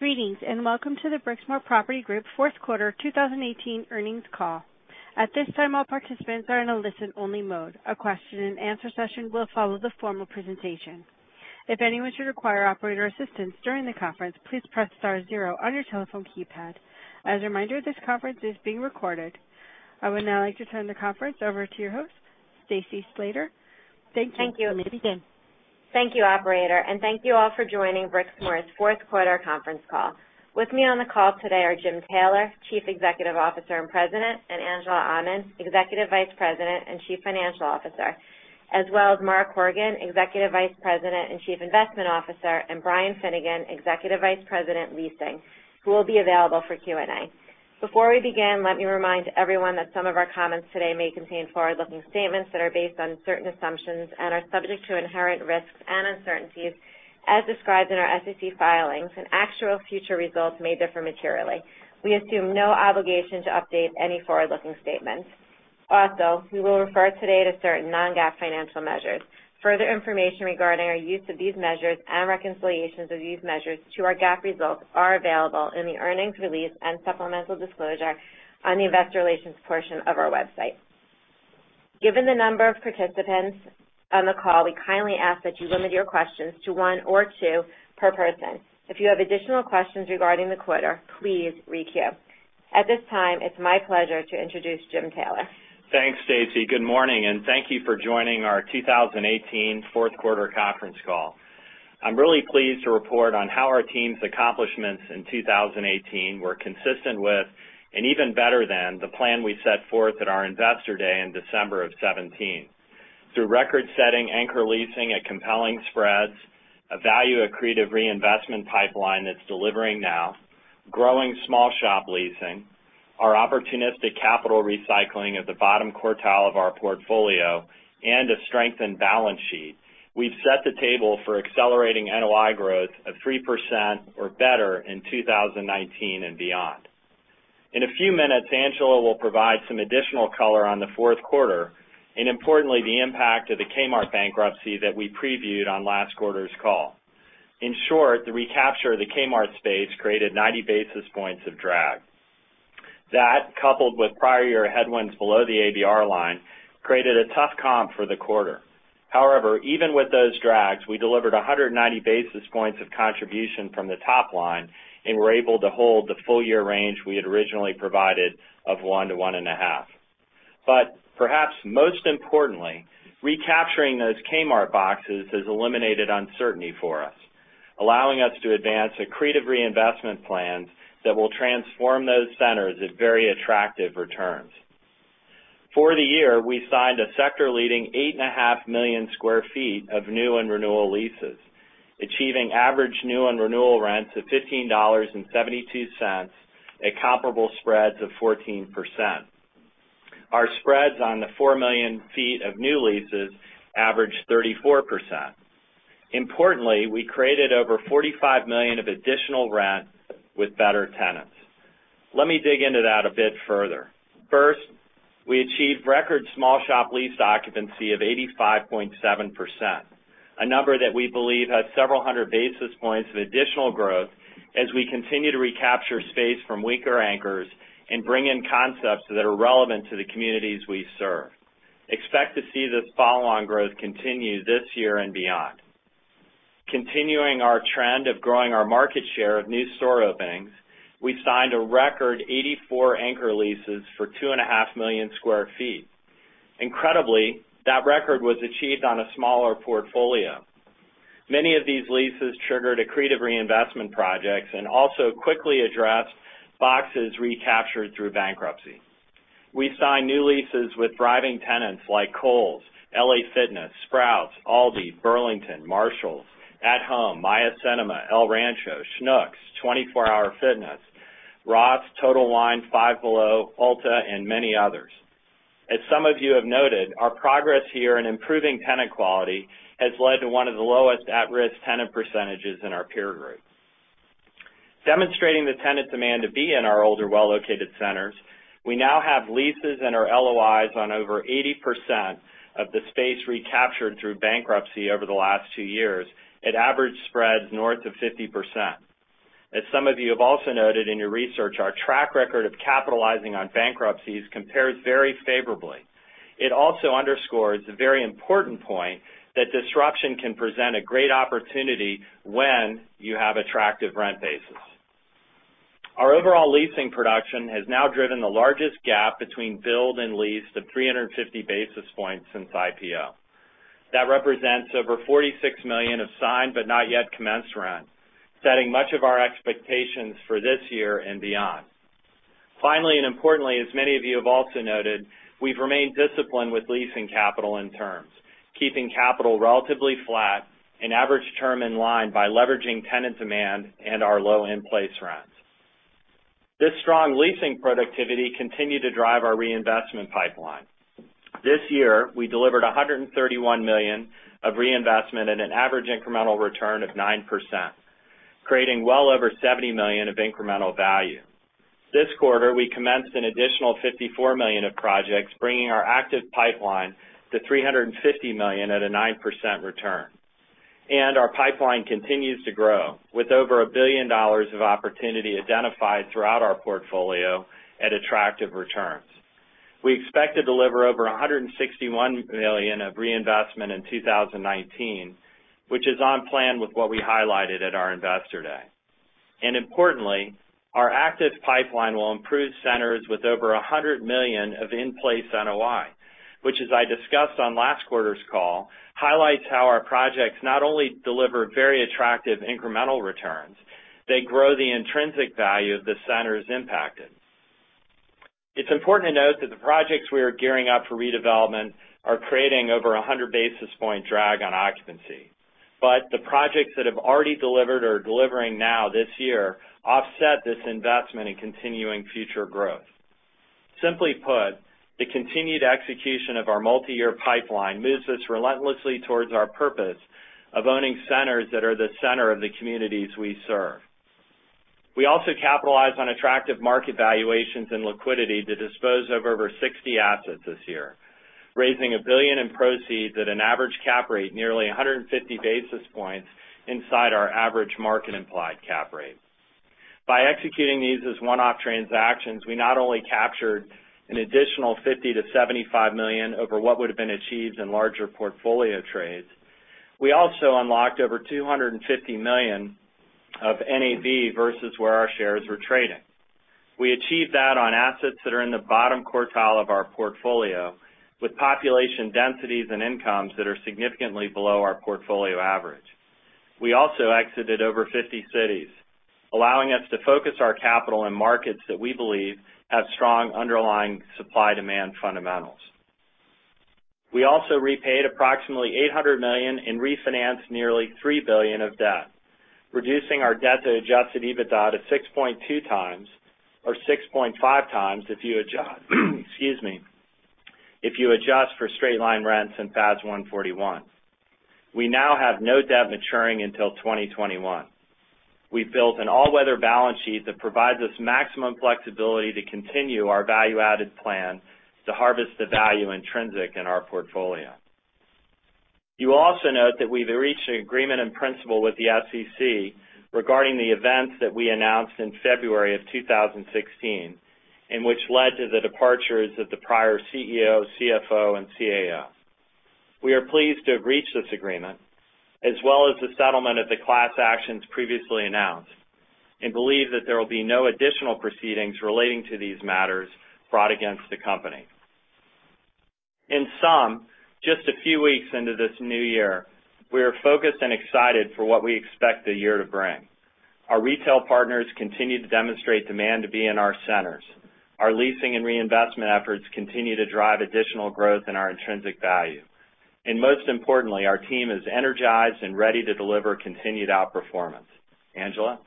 Greetings, welcome to the Brixmor Property Group fourth quarter 2018 earnings call. At this time, all participants are in a listen-only mode. A question and answer session will follow the formal presentation. If anyone should require operator assistance during the conference, please press star zero on your telephone keypad. As a reminder, this conference is being recorded. I would now like to turn the conference over to your host, Stacy Slater. Stacy, you may begin. Thank you. Thank you, operator, thank you all for joining Brixmor's fourth quarter conference call. With me on the call today are James Taylor, Chief Executive Officer and President, Angela Aman, Executive Vice President and Chief Financial Officer, as well as Mark Horgan, Executive Vice President and Chief Investment Officer, Brian Finnegan, Executive Vice President, Leasing, who will be available for Q&A. Before we begin, let me remind everyone that some of our comments today may contain forward-looking statements that are based on certain assumptions and are subject to inherent risks and uncertainties as described in our SEC filings, actual future results may differ materially. We assume no obligation to update any forward-looking statements. Also, we will refer today to certain non-GAAP financial measures. Further information regarding our use of these measures and reconciliations of these measures to our GAAP results are available in the earnings release and supplemental disclosure on the investor relations portion of our website. Given the number of participants on the call, we kindly ask that you limit your questions to one or two per person. If you have additional questions regarding the quarter, please re-queue. At this time, it's my pleasure to introduce James Taylor. Thanks, Stacy. Good morning, thank you for joining our 2018 fourth quarter conference call. I'm really pleased to report on how our team's accomplishments in 2018 were consistent with, even better than, the plan we set forth at our investor day in December of 2017. Through record-setting anchor leasing at compelling spreads, a value-accretive reinvestment pipeline that's delivering now, growing small shop leasing, our opportunistic capital recycling at the bottom quartile of our portfolio, a strengthened balance sheet, we've set the table for accelerating NOI growth of 3% or better in 2019 and beyond. In a few minutes, Angela will provide some additional color on the fourth quarter, importantly, the impact of the Kmart bankruptcy that we previewed on last quarter's call. In short, the recapture of the Kmart space created 90 basis points of drag. That, coupled with prior year headwinds below the ABR line, created a tough comp for the quarter. Even with those drags, we delivered 190 basis points of contribution from the top line and were able to hold the full-year range we had originally provided of 1%-1.5%. Perhaps most importantly, recapturing those Kmart boxes has eliminated uncertainty for us, allowing us to advance accretive reinvestment plans that will transform those centers at very attractive returns. For the year, we signed a sector-leading 8.5 million sq ft of new and renewal leases, achieving average new and renewal rents of $15.72, a comparable spreads of 14%. Our spreads on the 4 million sq ft of new leases averaged 34%. Importantly, we created over $45 million of additional rent with better tenants. Let me dig into that a bit further. First, we achieved record small shop lease occupancy of 85.7%, a number that we believe has 700 basis points of additional growth as we continue to recapture space from weaker anchors and bring in concepts that are relevant to the communities we serve. Expect to see this follow-on growth continue this year and beyond. Continuing our trend of growing our market share of new store openings, we signed a record 84 anchor leases for 2.5 million sq ft. Incredibly, that record was achieved on a smaller portfolio. Many of these leases triggered accretive reinvestment projects and also quickly addressed boxes recaptured through bankruptcy. We signed new leases with thriving tenants like Kohl's, LA Fitness, Sprouts, Aldi, Burlington, Marshalls, At Home, Maya Cinemas, El Rancho, Schnucks, 24 Hour Fitness, Ross, Total Wine, Five Below, Ulta, and many others. As some of you have noted, our progress here in improving tenant quality has led to one of the lowest at-risk tenant percentages in our peer group. Demonstrating the tenant demand to be in our older, well-located centers, we now have leases and our LOIs on over 80% of the space recaptured through bankruptcy over the last two years at average spreads north of 50%. As some of you have also noted in your research, our track record of capitalizing on bankruptcies compares very favorably. It also underscores the very important point that disruption can present a great opportunity when you have attractive rent bases. Our overall leasing production has now driven the largest gap between build and lease to 350 basis points since IPO. That represents over $46 million of signed, but not yet commenced rent, setting much of our expectations for this year and beyond. Finally, and importantly, as many of you have also noted, we've remained disciplined with leasing capital and terms, keeping capital relatively flat and average term in line by leveraging tenant demand and our low in-place rents. This strong leasing productivity continued to drive our reinvestment pipeline. This year, we delivered $131 million of reinvestment at an average incremental return of 9%, creating well over $70 million of incremental value. This quarter, we commenced an additional $54 million of projects, bringing our active pipeline to $350 million at a 9% return. Our pipeline continues to grow, with over $1 billion of opportunity identified throughout our portfolio at attractive returns. We expect to deliver over $161 million of reinvestment in 2019, which is on plan with what we highlighted at our investor day. Importantly, our active pipeline will improve centers with over $100 million of in-place NOI, which, as I discussed on last quarter's call, highlights how our projects not only deliver very attractive incremental returns, they grow the intrinsic value of the centers impacted. It's important to note that the projects we are gearing up for redevelopment are creating over 100 basis point drag on occupancy. The projects that have already delivered or are delivering now this year offset this investment in continuing future growth. Simply put, the continued execution of our multi-year pipeline moves us relentlessly towards our purpose of owning centers that are the center of the communities we serve. We also capitalize on attractive market valuations and liquidity to dispose of over 60 assets this year, raising $1 billion in proceeds at an average cap rate nearly 150 basis points inside our average market-implied cap rate. By executing these as one-off transactions, we not only captured an additional $50 million-$75 million over what would've been achieved in larger portfolio trades, we also unlocked over $250 million of NAV versus where our shares were trading. We achieved that on assets that are in the bottom quartile of our portfolio, with population densities and incomes that are significantly below our portfolio average. We also exited over 50 cities, allowing us to focus our capital and markets that we believe have strong underlying supply-demand fundamentals. We also repaid approximately $800 million and refinanced nearly $3 billion of debt, reducing our debt to adjusted EBITDA to 6.2 times, or 6.5 times if you adjust, excuse me, if you adjust for straight-line rents and FAS 141. We now have no debt maturing until 2021. We've built an all-weather balance sheet that provides us maximum flexibility to continue our value-added plan to harvest the value intrinsic in our portfolio. You will also note that we've reached an agreement in principle with the SEC regarding the events that we announced in February 2016, which led to the departures of the prior CEO, CFO, and CAO. We are pleased to have reached this agreement, as well as the settlement of the class actions previously announced, believe that there will be no additional proceedings relating to these matters brought against the company. In sum, just a few weeks into this new year, we are focused and excited for what we expect the year to bring. Our retail partners continue to demonstrate demand to be in our centers. Our leasing and reinvestment efforts continue to drive additional growth in our intrinsic value. Most importantly, our team is energized and ready to deliver continued outperformance. Angela?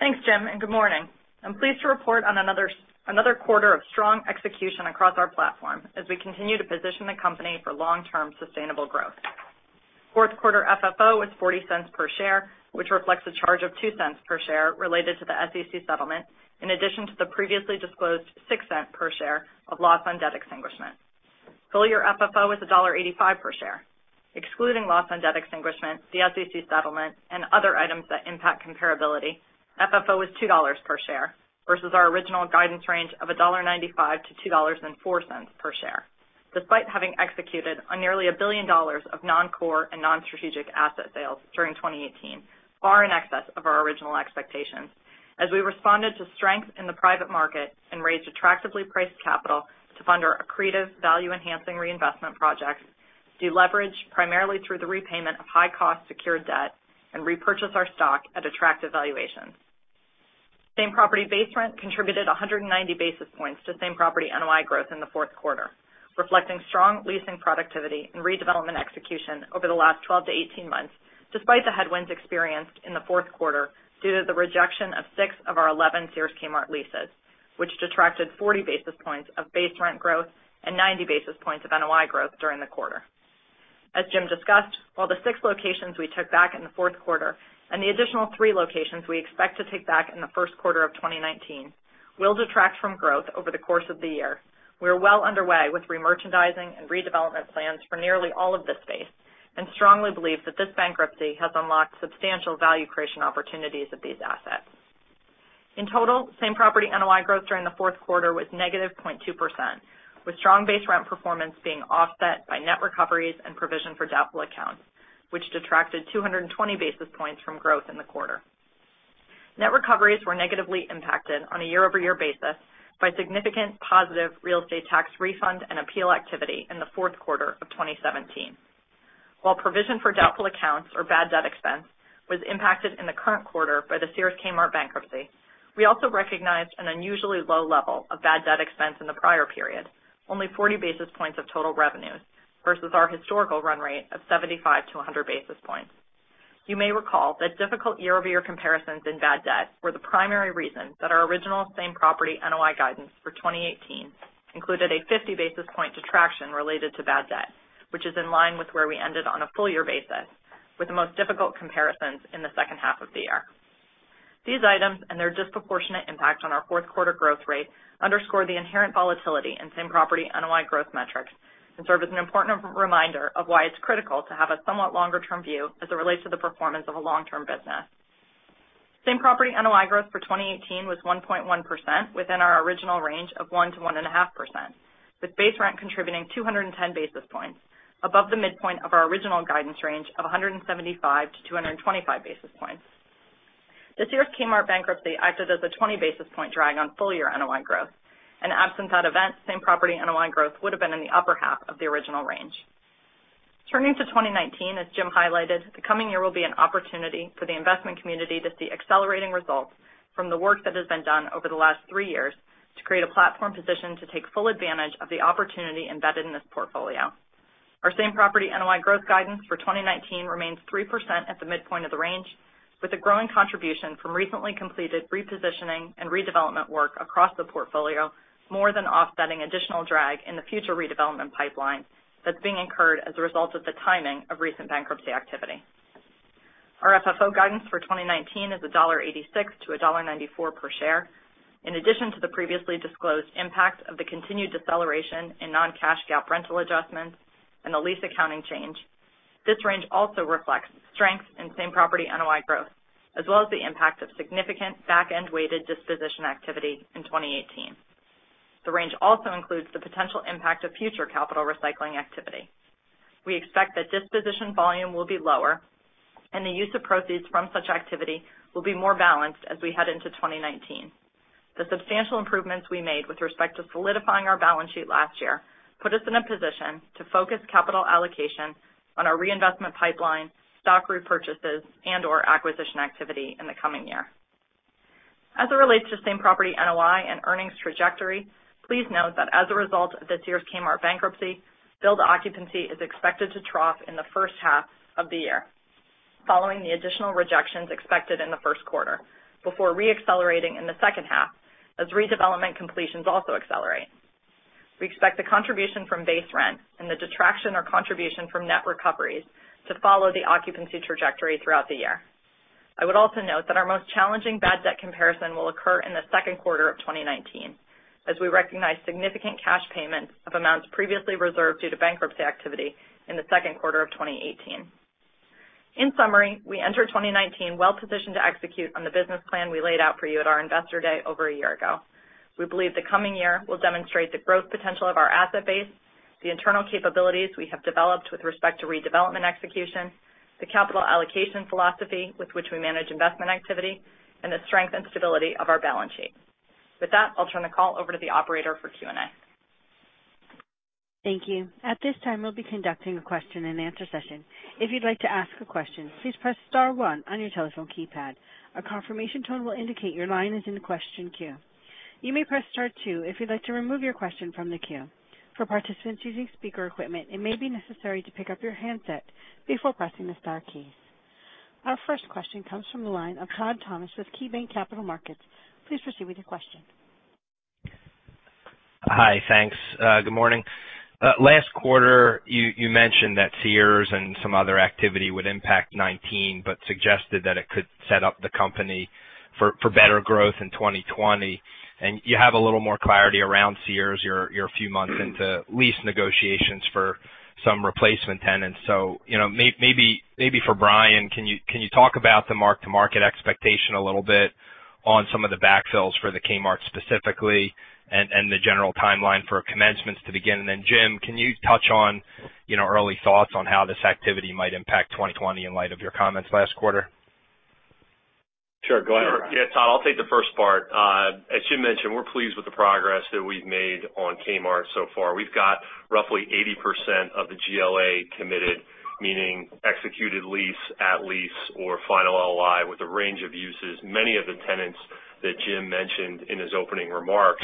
Thanks, Jim, good morning. I'm pleased to report on another quarter of strong execution across our platform as we continue to position the company for long-term sustainable growth. Fourth quarter FFO was $0.40 per share, which reflects a charge of $0.02 per share related to the SEC settlement, in addition to the previously disclosed $0.06 per share of loss on debt extinguishment. Full-year FFO was $1.85 per share. Excluding loss on debt extinguishment, the SEC settlement, and other items that impact comparability, FFO was $2 per share versus our original guidance range of $1.95-$2.04 per share, despite having executed on nearly $1 billion of non-core and non-strategic asset sales during 2018, far in excess of our original expectations, as we responded to strength in the private market and raised attractively priced capital to fund our accretive value-enhancing reinvestment projects, deleverage primarily through the repayment of high-cost secured debt, and repurchase our stock at attractive valuations. Same-property base rent contributed 190 basis points to same-property NOI growth in the fourth quarter, reflecting strong leasing productivity and redevelopment execution over the last 12-18 months, despite the headwinds experienced in the fourth quarter due to the rejection of six of our 11 Sears Kmart leases, which detracted 40 basis points of base rent growth and 90 basis points of NOI growth during the quarter. As Jim discussed, while the six locations we took back in the fourth quarter, and the additional three locations we expect to take back in the first quarter of 2019, will detract from growth over the course of the year. We are well underway with remerchandising and redevelopment plans for nearly all of this space, strongly believe that this bankruptcy has unlocked substantial value creation opportunities of these assets. In total, same-property NOI growth during the fourth quarter was -0.2%, with strong base rent performance being offset by net recoveries and provision for doubtful accounts, which detracted 220 basis points from growth in the quarter. Net recoveries were negatively impacted on a year-over-year basis by significant positive real estate tax refund and appeal activity in the fourth quarter of 2017. While provision for doubtful accounts or bad debt expense was impacted in the current quarter by the Sears Kmart bankruptcy, we also recognized an unusually low level of bad debt expense in the prior period, only 40 basis points of total revenues versus our historical run rate of 75-100 basis points. You may recall that difficult year-over-year comparisons in bad debt were the primary reason that our original same-property NOI guidance for 2018 included a 50 basis point detraction related to bad debt, which is in line with where we ended on a full-year basis. With the most difficult comparisons in the second half of the year. These items and their disproportionate impact on our fourth quarter growth rate underscore the inherent volatility in same-property NOI growth metrics and serve as an important reminder of why it's critical to have a somewhat longer-term view as it relates to the performance of a long-term business. Same-property NOI growth for 2018 was 1.1% within our original range of 1% to 1.5%, with base rent contributing 210 basis points above the midpoint of our original guidance range of 175 basis points to 225 basis points. The Sears Kmart bankruptcy acted as a 20 basis point drag on full-year NOI growth. Absent that event, same-property NOI growth would've been in the upper half of the original range. Turning to 2019, as Jim highlighted, the coming year will be an opportunity for the investment community to see accelerating results from the work that has been done over the last three years to create a platform position to take full advantage of the opportunity embedded in this portfolio. Our same-property NOI growth guidance for 2019 remains 3% at the midpoint of the range, with a growing contribution from recently completed repositioning and redevelopment work across the portfolio more than offsetting additional drag in the future redevelopment pipeline that's being incurred as a result of the timing of recent bankruptcy activity. Our FFO guidance for 2019 is $1.86 to $1.94 per share. In addition to the previously disclosed impact of the continued deceleration in non-cash GAAP rental adjustments and the lease accounting change, this range also reflects strength in same-property NOI growth, as well as the impact of significant back-end-weighted disposition activity in 2018. The range also includes the potential impact of future capital recycling activity. We expect that disposition volume will be lower, and the use of proceeds from such activity will be more balanced as we head into 2019. The substantial improvements we made with respect to solidifying our balance sheet last year put us in a position to focus capital allocation on our reinvestment pipeline, stock repurchases, and/or acquisition activity in the coming year. As it relates to same-property NOI and earnings trajectory, please note that as a result of this year's Kmart bankruptcy, build occupancy is expected to trough in the first half of the year, following the additional rejections expected in the first quarter, before re-accelerating in the second half as redevelopment completions also accelerate. We expect the contribution from base rent and the detraction or contribution from net recoveries to follow the occupancy trajectory throughout the year. I would also note that our most challenging bad debt comparison will occur in the second quarter of 2019, as we recognize significant cash payments of amounts previously reserved due to bankruptcy activity in the second quarter of 2018. In summary, we enter 2019 well-positioned to execute on the business plan we laid out for you at our investor day over a year ago. We believe the coming year will demonstrate the growth potential of our asset base, the internal capabilities we have developed with respect to redevelopment execution, the capital allocation philosophy with which we manage investment activity, and the strength and stability of our balance sheet. With that, I'll turn the call over to the operator for Q&A. Thank you. At this time, we'll be conducting a question-and-answer session. If you'd like to ask a question, please press *1 on your telephone keypad. A confirmation tone will indicate your line is in the question queue. You may press *2 if you'd like to remove your question from the queue. For participants using speaker equipment, it may be necessary to pick up your handset before pressing the star keys. Our first question comes from the line of Todd Thomas with KeyBanc Capital Markets. Please proceed with your question. Hi. Thanks. Good morning. Last quarter, you mentioned that Sears and some other activity would impact 2019. Suggested that it could set up the company for better growth in 2020. You have a little more clarity around Sears. You're a few months into lease negotiations for some replacement tenants. Maybe for Brian, can you talk about the mark-to-market expectation a little bit on some of the backfills for the Kmart specifically, and the general timeline for commencements to begin? Jim, can you touch on early thoughts on how this activity might impact 2020 in light of your comments last quarter? Sure. Go ahead, Brian. Sure. Todd, I'll take the first part. As Jim mentioned, we're pleased with the progress that we've made on Kmart so far. We've got roughly 80% of the GLA committed, meaning executed lease, at lease, or final NOI with a range of uses, many of the tenants that Jim mentioned in his opening remarks.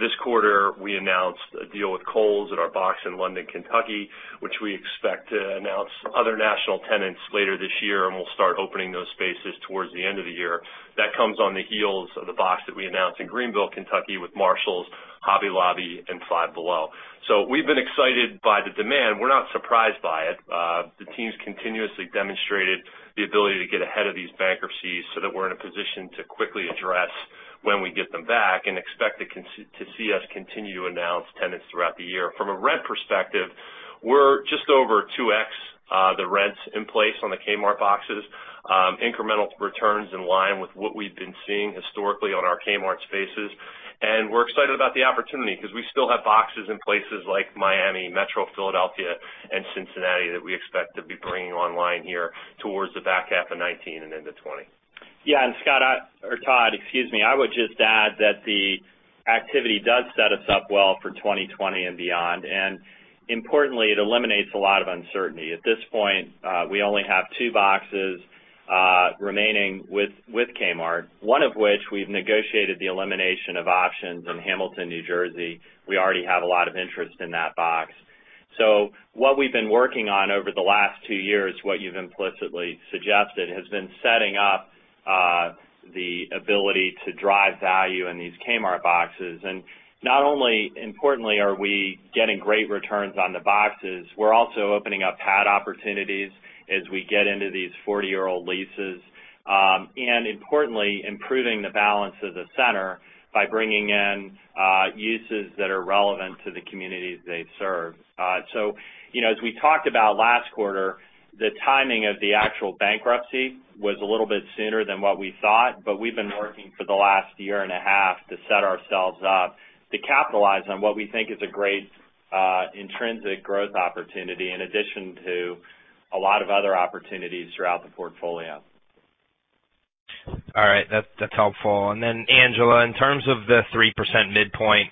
This quarter, we announced a deal with Kohl's at our box in London, Kentucky, which we expect to announce other national tenants later this year, and we'll start opening those spaces towards the end of the year. That comes on the heels of the box that we announced in Greenville, Kentucky with Marshalls, Hobby Lobby, and Five Below. We've been excited by the demand. We're not surprised by it. The team's continuously demonstrated the ability to get ahead of these bankruptcies so that we're in a position to quickly address when we get them back and expect to see us continue to announce tenants throughout the year. From a rent perspective, we're just over 2x the rents in place on the Kmart boxes. Incremental return's in line with what we've been seeing historically on our Kmart spaces. We're excited about the opportunity because we still have boxes in places like Miami, Metro Philadelphia, and Cincinnati that we expect to be bringing online here towards the back half of 2019 and into 2020. Todd, excuse me, I would just add that the activity does set us up well for 2020 and beyond. Importantly, it eliminates a lot of uncertainty. At this point, we only have two boxes remaining with Kmart, one of which we've negotiated the elimination of options in Hamilton, New Jersey. We already have a lot of interest in that box. What we've been working on over the last two years, what you've implicitly suggested, has been setting up The ability to drive value in these Kmart boxes. Not only importantly are we getting great returns on the boxes, we're also opening up pad opportunities as we get into these 40-year-old leases. Importantly, improving the balance of the center by bringing in uses that are relevant to the communities they serve. As we talked about last quarter, the timing of the actual bankruptcy was a little bit sooner than what we thought, but we've been working for the last year and a half to set ourselves up to capitalize on what we think is a great intrinsic growth opportunity, in addition to a lot of other opportunities throughout the portfolio. All right. That's helpful. Angela, in terms of the 3% midpoint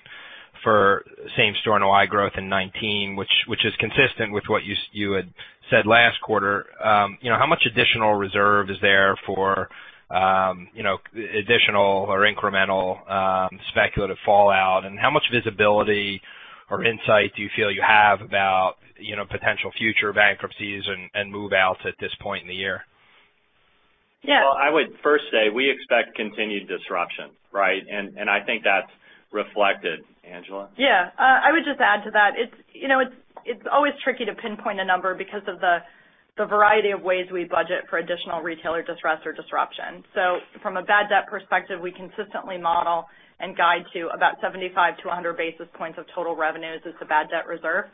for same-store NOI growth in 2019, which is consistent with what you had said last quarter. How much additional reserve is there for additional or incremental, speculative fallout? How much visibility or insight do you feel you have about potential future bankruptcies and move-outs at this point in the year? Well, I would first say we expect continued disruption, right? I think that's reflected, Angela. Yeah. I would just add to that. It's always tricky to pinpoint a number because of the variety of ways we budget for additional retailer distress or disruption. From a bad debt perspective, we consistently model and guide to about 75-100 basis points of total revenues as the bad debt reserve.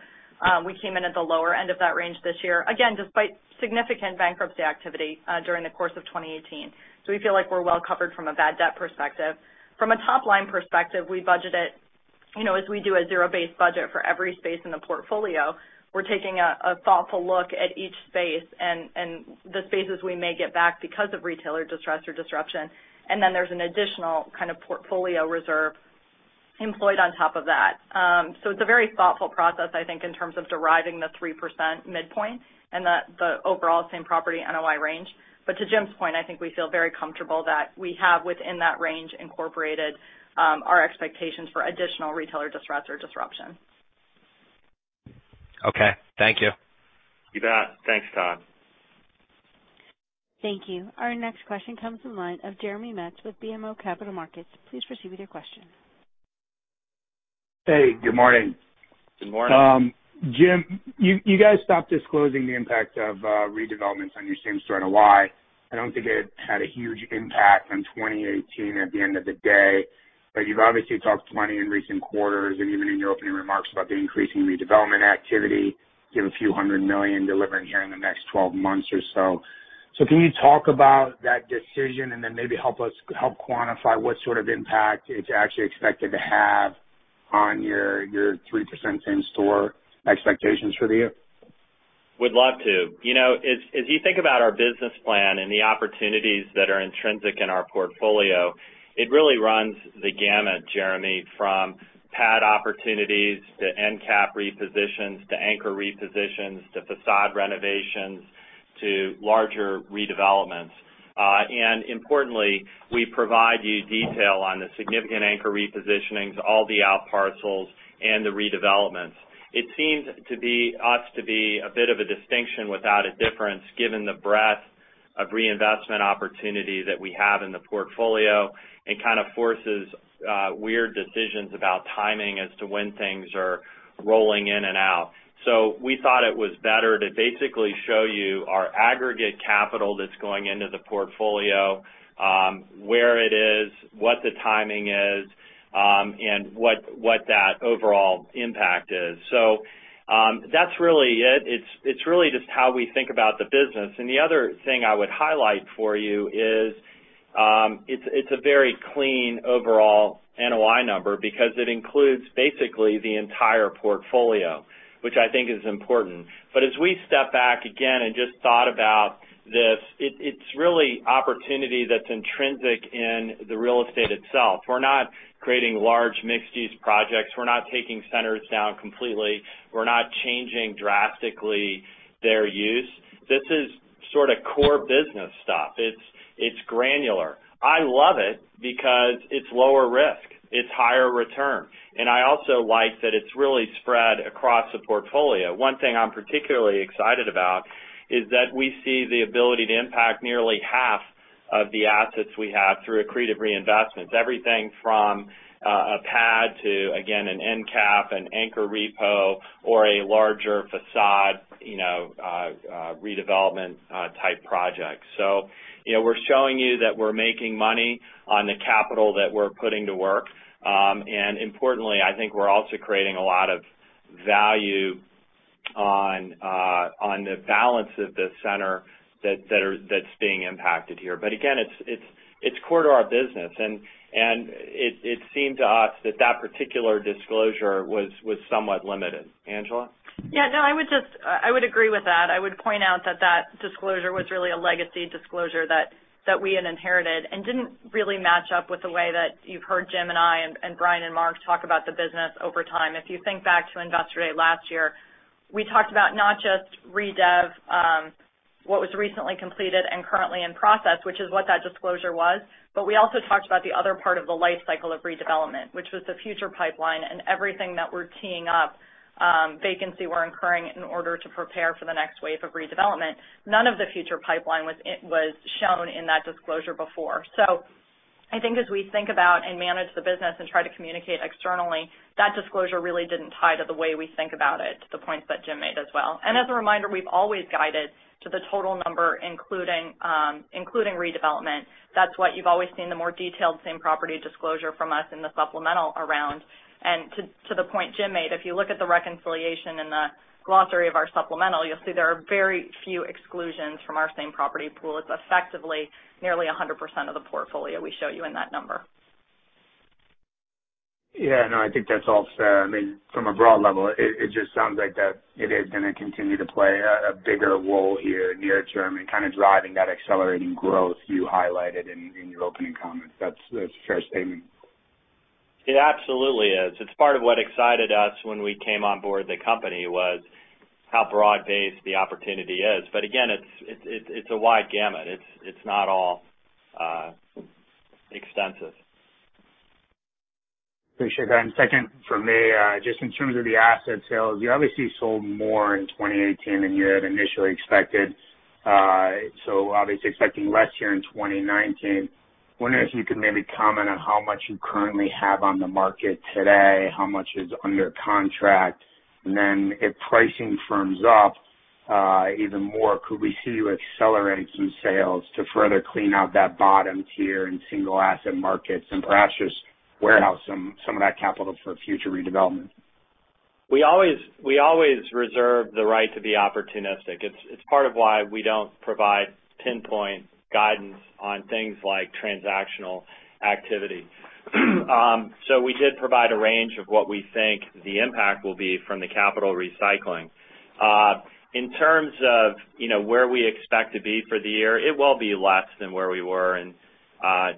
We came in at the lower end of that range this year, again, despite significant bankruptcy activity during the course of 2018. We feel like we're well covered from a bad debt perspective. From a top-line perspective, as we do a zero-based budget for every space in the portfolio, we're taking a thoughtful look at each space and the spaces we may get back because of retailer distress or disruption, and then there's an additional kind of portfolio reserve employed on top of that. It's a very thoughtful process, I think, in terms of deriving the 3% midpoint and the overall same property NOI range. To Jim's point, I think we feel very comfortable that we have, within that range, incorporated our expectations for additional retailer distress or disruption. Okay. Thank you. You bet. Thanks, Todd. Thank you. Our next question comes from the line of Jeremy Metz with BMO Capital Markets. Please proceed with your question. Hey, good morning. Good morning. Jim, you guys stopped disclosing the impact of redevelopments on your same-store NOI. I don't think it had a huge impact on 2018 at the end of the day. You've obviously talked plenty in recent quarters and even in your opening remarks about the increasing redevelopment activity. You have a few hundred million delivering here in the next 12 months or so. Can you talk about that decision and then maybe help quantify what sort of impact it's actually expected to have on your 3% same-store expectations for the year? Would love to. As you think about our business plan and the opportunities that are intrinsic in our portfolio, it really runs the gamut, Jeremy, from pad opportunities to end cap repositions, to anchor repositions, to facade renovations, to larger redevelopments. Importantly, we provide you detail on the significant anchor repositionings, all the out parcels, and the redevelopments. It seems to us to be a bit of a distinction without a difference given the breadth of reinvestment opportunity that we have in the portfolio. It kind of forces weird decisions about timing as to when things are rolling in and out. We thought it was better to basically show you our aggregate capital that's going into the portfolio, where it is, what the timing is, and what that overall impact is. That's really it. It's really just how we think about the business. The other thing I would highlight for you is, it's a very clean overall NOI number because it includes basically the entire portfolio, which I think is important. As we step back again and just thought about this, it's really opportunity that's intrinsic in the real estate itself. We're not creating large mixed-use projects. We're not taking centers down completely. We're not changing drastically their use. This is sort of core business stuff. It's granular. I love it because it's lower risk. It's higher return. I also like that it's really spread across the portfolio. One thing I'm particularly excited about is that we see the ability to impact nearly half of the assets we have through accretive reinvestments, everything from a pad to, again, an end cap, an anchor repo, or a larger facade, redevelopment-type project. We're showing you that we're making money on the capital that we're putting to work. Importantly, I think we're also creating a lot of value on the balance of the center that's being impacted here. Again, it's core to our business, and it seemed to us that that particular disclosure was somewhat limited. Angela? Yeah, no, I would agree with that. I would point out that that disclosure was really a legacy disclosure that we had inherited and didn't really match up with the way that you've heard Jim and I and Ryan and Mark talk about the business over time. If you think back to Investor Day last year, we talked about not just redev, what was recently completed and currently in process, which is what that disclosure was, but we also talked about the other part of the life cycle of redevelopment, which was the future pipeline and everything that we're teeing up, vacancy we're incurring in order to prepare for the next wave of redevelopment. None of the future pipeline was shown in that disclosure before. I think as we think about and manage the business and try to communicate externally, that disclosure really didn't tie to the way we think about it, to the points that Jim made as well. As a reminder, we've always guided to the total number, including redevelopment. That's why you've always seen the more detailed same-property disclosure from us in the supplemental around. To the point Jim made, if you look at the reconciliation in the glossary of our supplemental, you'll see there are very few exclusions from our same-property pool. It's effectively nearly 100% of the portfolio we show you in that number. Yeah, no, I think that's all fair. From a broad level, it just sounds like that it is going to continue to play a bigger role here near term in kind of driving that accelerating growth you highlighted in your opening comments. That's a fair statement? It absolutely is. It's part of what excited us when we came on board the company was how broad-based the opportunity is. Again, it's a wide gamut. It's not all extensive. Appreciate that. Second from me, just in terms of the asset sales, you obviously sold more in 2018 than you had initially expected. Obviously expecting less here in 2019. Wondering if you could maybe comment on how much you currently have on the market today, how much is under contract, and then if pricing firms up even more, could we see you accelerate some sales to further clean out that bottom tier in single-asset markets and perhaps just warehouse some of that capital for future redevelopment? We always reserve the right to be opportunistic. It's part of why we don't provide pinpoint guidance on things like transactional activity. We did provide a range of what we think the impact will be from the capital recycling. In terms of where we expect to be for the year, it will be less than where we were in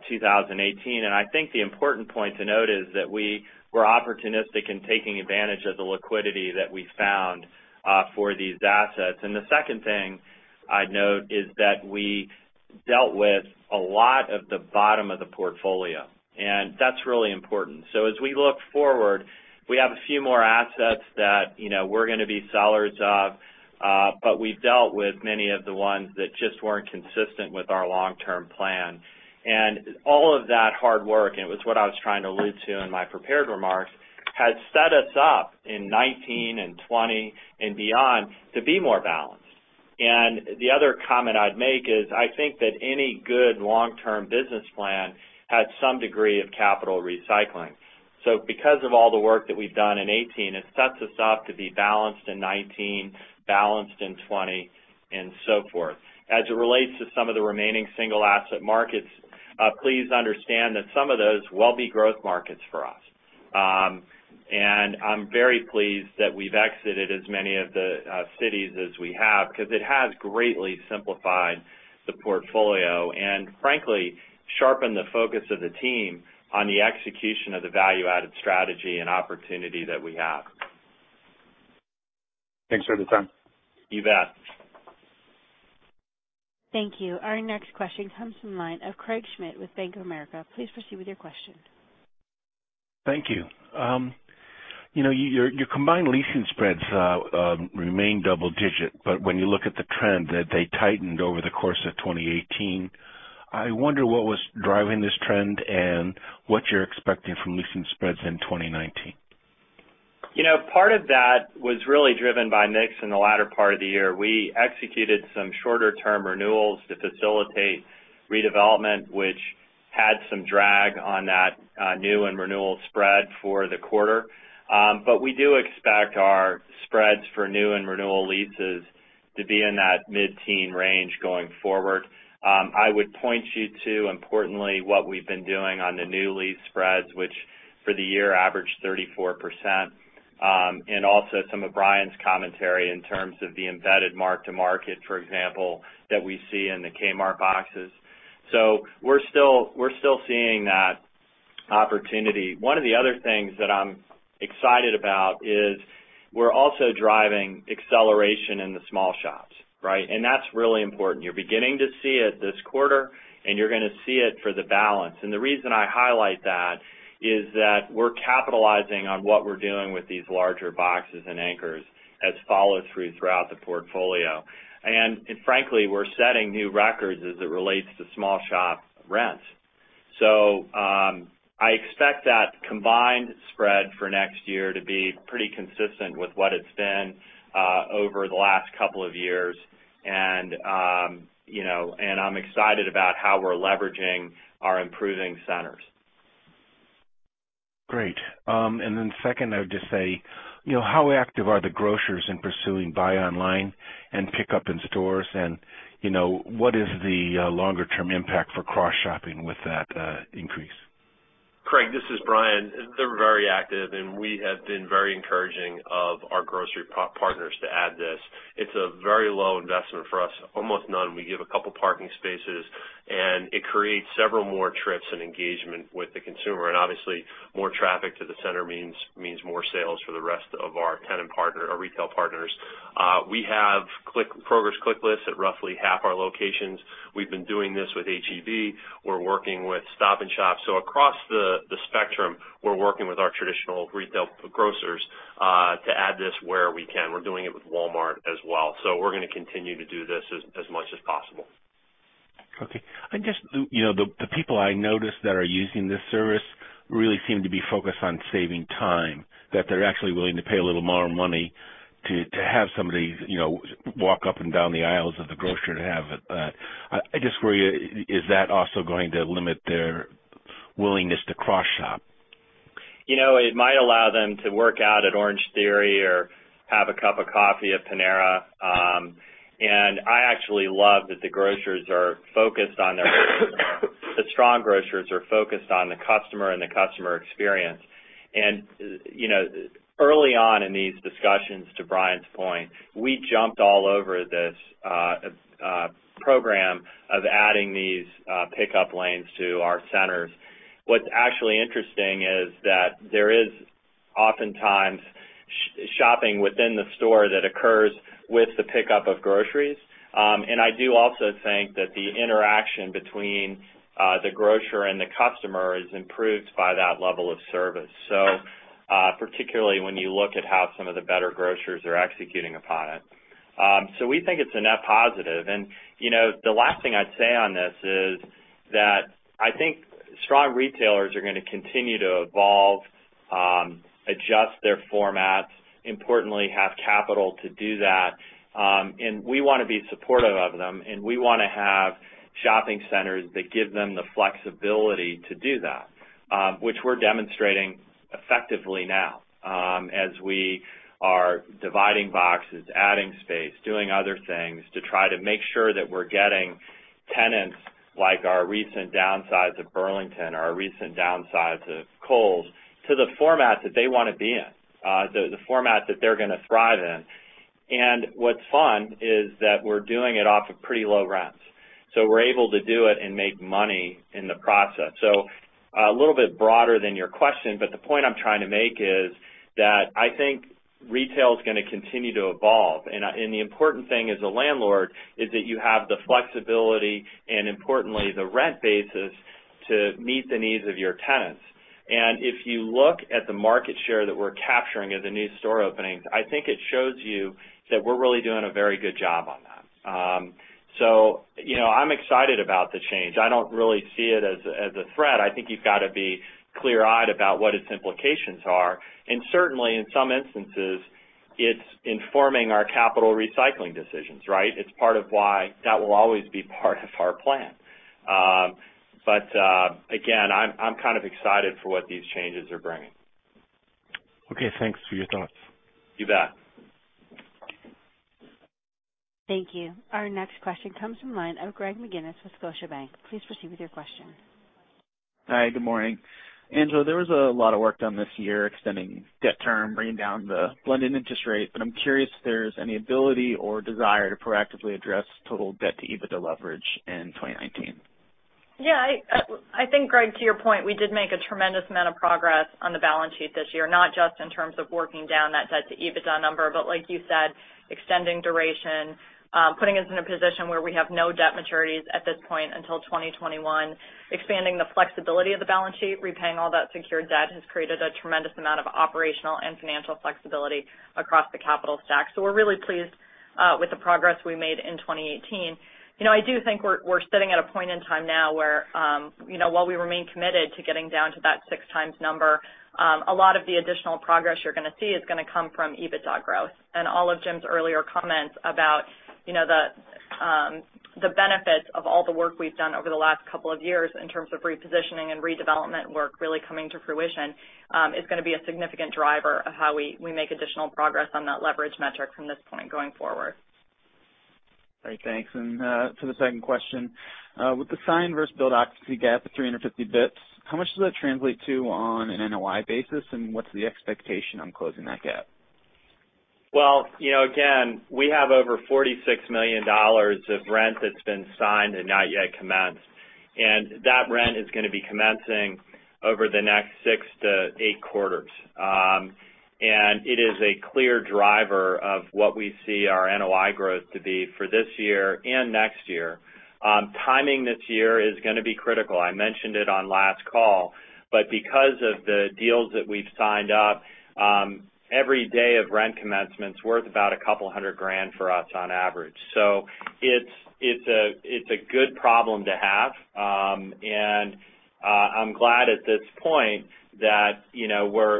2018. I think the important point to note is that we were opportunistic in taking advantage of the liquidity that we found for these assets. The second thing I'd note is that we dealt with a lot of the bottom of the portfolio, and that's really important. As we look forward, we have a few more assets that we're going to be sellers of. We've dealt with many of the ones that just weren't consistent with our long-term plan. All of that hard work, and it was what I was trying to allude to in my prepared remarks, has set us up in 2019 and 2020 and beyond to be more balanced. The other comment I'd make is, I think that any good long-term business plan has some degree of capital recycling. Because of all the work that we've done in 2018, it sets us up to be balanced in 2019, balanced in 2020, and so forth. As it relates to some of the remaining single-asset markets, please understand that some of those will be growth markets for us. I'm very pleased that we've exited as many of the cities as we have because it has greatly simplified the portfolio and frankly sharpened the focus of the team on the execution of the value-added strategy and opportunity that we have. Thanks for the time. You bet. Thank you. Our next question comes from the line of Craig Schmidt with Bank of America. Please proceed with your question. Thank you. Your combined leasing spreads remain double digit. When you look at the trend, they tightened over the course of 2018. I wonder what was driving this trend and what you're expecting from leasing spreads in 2019. Part of that was really driven by mix in the latter part of the year. We executed some shorter-term renewals to facilitate redevelopment, which had some drag on that new and renewal spread for the quarter. We do expect our spreads for new and renewal leases to be in that mid-teen range going forward. I would point you to, importantly, what we've been doing on the new lease spreads, which for the year averaged 34%, and also some of Brian's commentary in terms of the embedded mark to market, for example, that we see in the Kmart boxes. We're still seeing that opportunity. One of the other things that I'm excited about is we're also driving acceleration in the small shops, right? That's really important. You're beginning to see it this quarter, and you're going to see it for the balance. The reason I highlight that is that we're capitalizing on what we're doing with these larger boxes and anchors as follow-through throughout the portfolio. Frankly, we're setting new records as it relates to small shop rents. I expect that combined spread for next year to be pretty consistent with what it's been over the last couple of years. I'm excited about how we're leveraging our improving centers. Great. Second, I would just say, how active are the grocers in pursuing buy online and pick up in stores? What is the longer-term impact for cross-shopping with that increase? Craig, this is Brian. They're very active, and we have been very encouraging of our grocery partners to add this. It's a very low investment for us. Almost none. We give a couple parking spaces, and it creates several more trips and engagement with the consumer. Obviously, more traffic to the center means more sales for the rest of our retail partners. We have Kroger ClickList at roughly half our locations. We've been doing this with H-E-B. We're working with Stop & Shop. Across the spectrum, we're working with our traditional retail grocers to add this where we can. We're doing it with Walmart as well. We're going to continue to do this as much as possible. The people I notice that are using this service really seem to be focused on saving time, that they're actually willing to pay a little more money to have somebody walk up and down the aisles of the grocer to have it. I just worry, is that also going to limit their willingness to cross-shop? It might allow them to work out at Orangetheory or have a cup of coffee at Panera. I actually love that the grocers are focused on the customer and the customer experience. Early on in these discussions, to Brian's point, we jumped all over this program of adding these pickup lanes to our centers. What's actually interesting is that there is oftentimes shopping within the store that occurs with the pickup of groceries. I do also think that the interaction between the grocer and the customer is improved by that level of service. Particularly when you look at how some of the better grocers are executing upon it. We think it's a net positive. The last thing I'd say on this is that I think strong retailers are going to continue to evolve, adjust their formats, importantly, have capital to do that. We want to be supportive of them, and we want to have shopping centers that give them the flexibility to do that, which we're demonstrating effectively now as we are dividing boxes, adding space, doing other things to try to make sure that we're getting tenants like our recent downsize of Burlington or our recent downsize of Kohl's to the format that they want to be in, the format that they're going to thrive in. What's fun is that we're doing it off of pretty low rents, so we're able to do it and make money in the process. A little bit broader than your question, but the point I'm trying to make is that I think retail is going to continue to evolve. The important thing as a landlord is that you have the flexibility and importantly, the rent basis to meet the needs of your tenants. If you look at the market share that we're capturing as a new store openings, I think it shows you that we're really doing a very good job on that. I'm excited about the change. I don't really see it as a threat. I think you've got to be clear-eyed about what its implications are. Certainly, in some instances, it's informing our capital recycling decisions, right? It's part of why that will always be part of our plan. Again, I'm kind of excited for what these changes are bringing. Okay, thanks for your thoughts. You bet. Thank you. Our next question comes from the line of Greg McGinniss with Scotiabank. Please proceed with your question. Hi, good morning. Angela, there was a lot of work done this year extending debt term, bringing down the blended interest rate, but I'm curious if there's any ability or desire to proactively address total debt to EBITDA leverage in 2019. Yeah. I think, Greg, to your point, we did make a tremendous amount of progress on the balance sheet this year, not just in terms of working down that debt to EBITDA number, but like you said, extending duration, putting us in a position where we have no debt maturities at this point until 2021. Expanding the flexibility of the balance sheet, repaying all that secured debt has created a tremendous amount of operational and financial flexibility across the capital stack. We're really pleased with the progress we made in 2018. I do think we're sitting at a point in time now where while we remain committed to getting down to that 6x number, a lot of the additional progress you're going to see is going to come from EBITDA growth. All of Jim's earlier comments about the benefits of all the work we've done over the last couple of years in terms of repositioning and redevelopment work really coming to fruition is going to be a significant driver of how we make additional progress on that leverage metric from this point going forward. Great. Thanks. For the second question, with the signed versus build occupancy gap of 350 basis points, how much does that translate to on an NOI basis, and what's the expectation on closing that gap? Well, again, we have over $46 million of rent that's been signed and not yet commenced, and that rent is going to be commencing over the next six to eight quarters. It is a clear driver of what we see our NOI growth to be for this year and next year. Timing this year is going to be critical. I mentioned it on last call, but because of the deals that we've signed up, every day of rent commencement's worth about a couple hundred grand for us on average. It's a good problem to have. I'm glad at this point that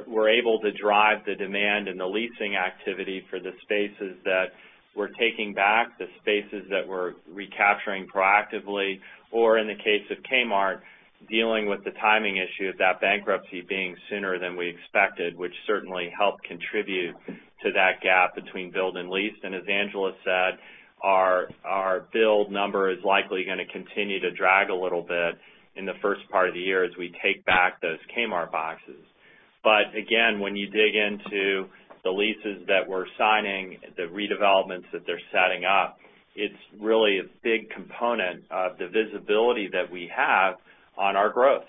we're able to drive the demand and the leasing activity for the spaces that we're taking back, the spaces that we're recapturing proactively, or in the case of Kmart, dealing with the timing issue of that bankruptcy being sooner than we expected, which certainly helped contribute to that gap between build and lease. As Angela Aman said, our build number is likely going to continue to drag a little bit in the first part of the year as we take back those Kmart boxes. Again, when you dig into the leases that we're signing, the redevelopments that they're setting up, it's really a big component of the visibility that we have on our growth.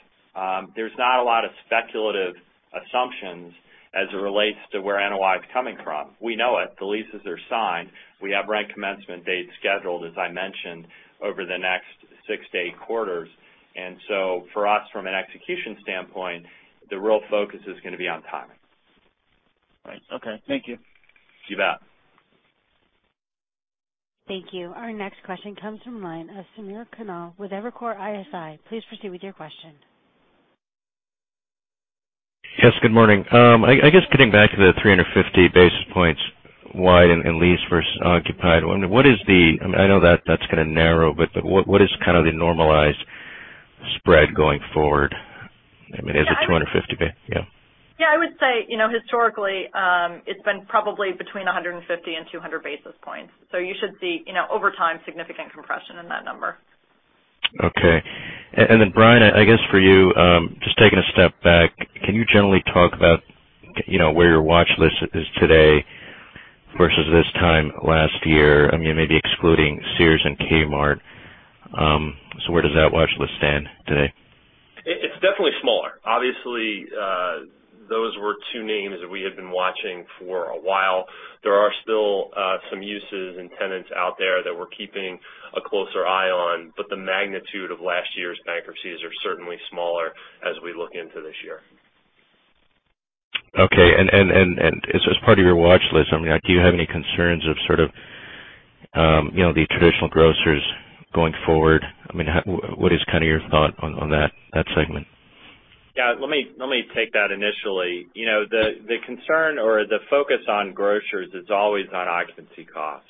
There's not a lot of speculative assumptions as it relates to where NOI is coming from. We know it. The leases are signed. We have rent commencement dates scheduled, as I mentioned, over the next six to eight quarters. For us, from an execution standpoint, the real focus is going to be on timing. Right. Okay. Thank you. You bet. Thank you. Our next question comes from the line of Samir Khanal with Evercore ISI. Please proceed with your question. Yes, good morning. I guess getting back to the 350 basis points wide in leased versus occupied, I know that's going to narrow, but what is kind of the normalized spread going forward? I mean, is it 250 base? Yeah. Yeah, I would say, historically, it's been probably between 150 and 200 basis points. You should see, over time, significant compression in that number. Okay. Brian, I guess for you, just taking a step back, can you generally talk about where your watchlist is today versus this time last year? I mean, maybe excluding Sears and Kmart. Where does that watchlist stand today? It's definitely smaller. Obviously, those were two names that we had been watching for a while. There are still some uses and tenants out there that we're keeping a closer eye on, but the magnitude of last year's bankruptcies are certainly smaller as we look into this year. Okay. As part of your watchlist, do you have any concerns of sort of the traditional grocers going forward? What is kind of your thought on that segment? Yeah. Let me take that initially. The concern or the focus on grocers is always on occupancy cost.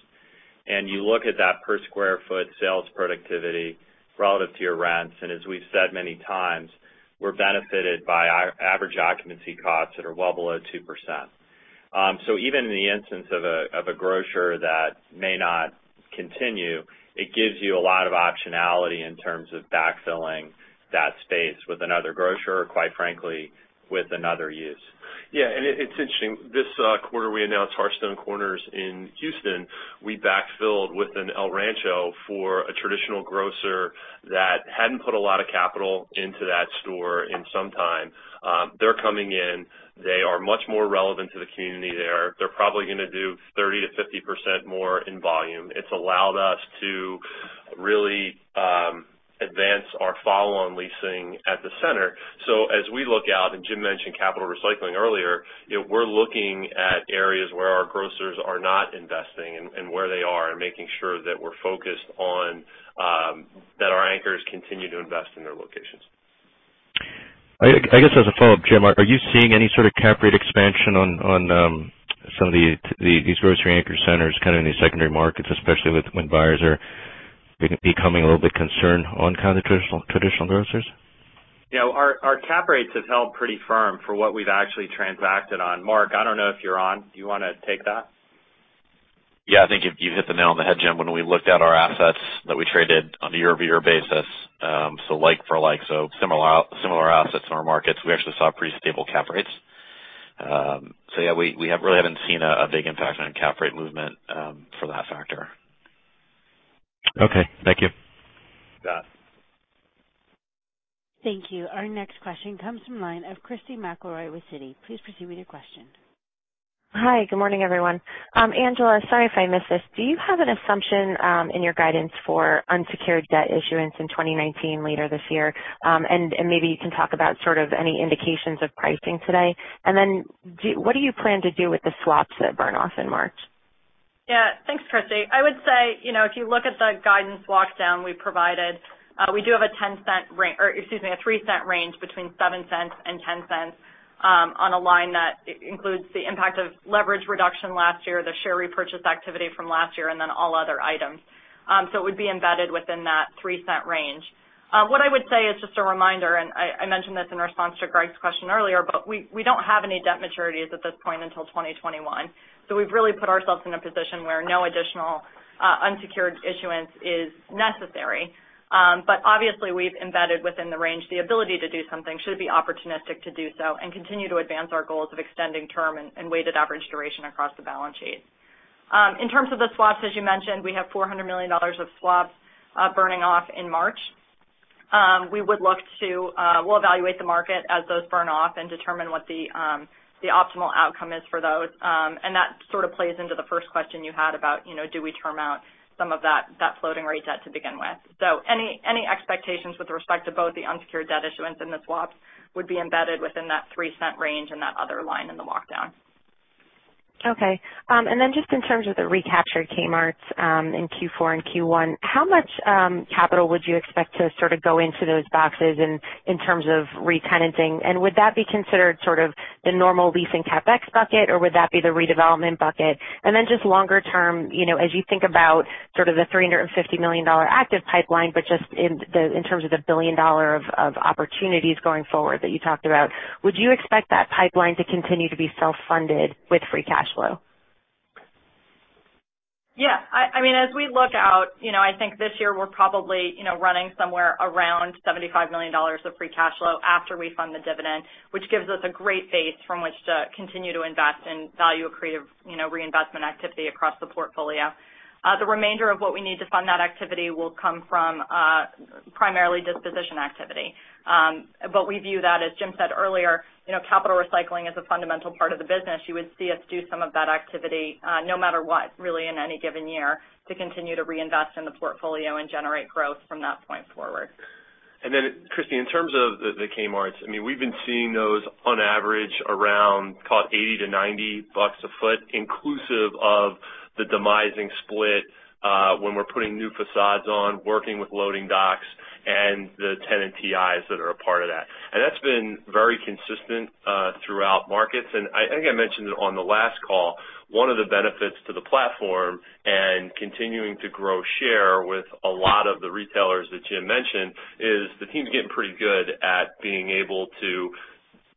You look at that per square foot sales productivity relative to your rents. As we've said many times, we're benefited by average occupancy costs that are well below 2%. So even in the instance of a grocer that may not continue, it gives you a lot of optionality in terms of backfilling that space with another grocer or quite frankly, with another use. Yeah. It's interesting. This quarter, we announced Hearthstone Corners in Houston. We backfilled with an El Rancho for a traditional grocer that hadn't put a lot of capital into that store in some time. They're coming in. They are much more relevant to the community there. They're probably going to do 30%-50% more in volume. It's allowed us to really advance our follow-on leasing at the center. So as we look out, Jim mentioned capital recycling earlier, we're looking at areas where our grocers are not investing and where they are and making sure that we're focused on that our anchors continue to invest in their locations. I guess as a follow-up, Jim, are you seeing any sort of cap rate expansion on some of these grocery anchor centers, kind of in these secondary markets, especially when buyers are becoming a little bit concerned on kind of traditional grocers? Yeah. Our cap rates have held pretty firm for what we've actually transacted on. Mark, I don't know if you're on. Do you want to take that? Yeah, I think you've hit the nail on the head, Jim. When we looked at our assets that we traded on a year-over-year basis, so like for like, so similar assets in our markets, we actually saw pretty stable cap rates. Yeah, we really haven't seen a big impact on cap rate movement for that factor. Okay. Thank you. You bet. Thank you. Our next question comes from the line of Christy McElroy with Citi. Please proceed with your question. Hi, good morning, everyone. Angela, sorry if I missed this. Do you have an assumption in your guidance for unsecured debt issuance in 2019 later this year? Maybe you can talk about sort of any indications of pricing today. What do you plan to do with the swaps that burn off in March? Yeah. Thanks, Christy. I would say, if you look at the guidance walk down we provided, we do have a $0.03 range between $0.07 and $0.10 on a line that includes the impact of leverage reduction last year, the share repurchase activity from last year, and then all other items. It would be embedded within that $0.03 range. What I would say is just a reminder, and I mentioned this in response to Greg's question earlier, but we don't have any debt maturities at this point until 2021. We've really put ourselves in a position where no additional unsecured issuance is necessary. Obviously we've embedded within the range the ability to do something should it be opportunistic to do so and continue to advance our goals of extending term and weighted average duration across the balance sheet. In terms of the swaps, as you mentioned, we have $400 million of swaps burning off in March. We'll evaluate the market as those burn off and determine what the optimal outcome is for those. That sort of plays into the first question you had about do we term out some of that floating rate debt to begin with. Any expectations with respect to both the unsecured debt issuance and the swaps would be embedded within that $0.03 range and that other line in the walk down. Okay. Just in terms of the recaptured Kmarts in Q4 and Q1, how much capital would you expect to sort of go into those boxes in terms of re-tenanting? Would that be considered sort of the normal leasing CapEx bucket, or would that be the redevelopment bucket? Just longer term, as you think about sort of the $350 million active pipeline, but just in terms of the $1 billion of opportunities going forward that you talked about, would you expect that pipeline to continue to be self-funded with free cash flow? Yeah. As we look out, I think this year we're probably running somewhere around $75 million of free cash flow after we fund the dividend, which gives us a great base from which to continue to invest in value accretive reinvestment activity across the portfolio. The remainder of what we need to fund that activity will come from primarily disposition activity. We view that, as Jim said earlier, capital recycling is a fundamental part of the business. You would see us do some of that activity no matter what, really in any given year to continue to reinvest in the portfolio and generate growth from that point forward. Christy, in terms of the Kmarts, we've been seeing those on average around $80-$90 a foot, inclusive of the demising split, when we're putting new facades on, working with loading docks, and the tenant TIs that are a part of that. That's been very consistent throughout markets. I think I mentioned it on the last call, one of the benefits to the platform and continuing to grow share with a lot of the retailers that Jim mentioned, is the team's getting pretty good at being able to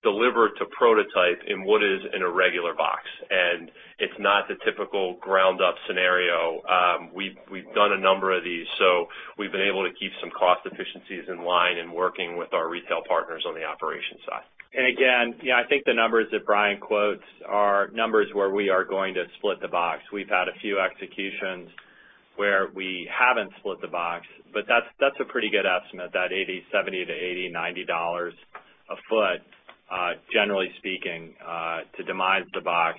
deliver to prototype in what is an irregular box. It's not the typical ground up scenario. We've done a number of these, so we've been able to keep some cost efficiencies in line in working with our retail partners on the operations side. Again, I think the numbers that Brian quotes are numbers where we are going to split the box. We've had a few executions where we haven't split the box, but that's a pretty good estimate, that $70-$80, $90 a foot, generally speaking, to demise the box.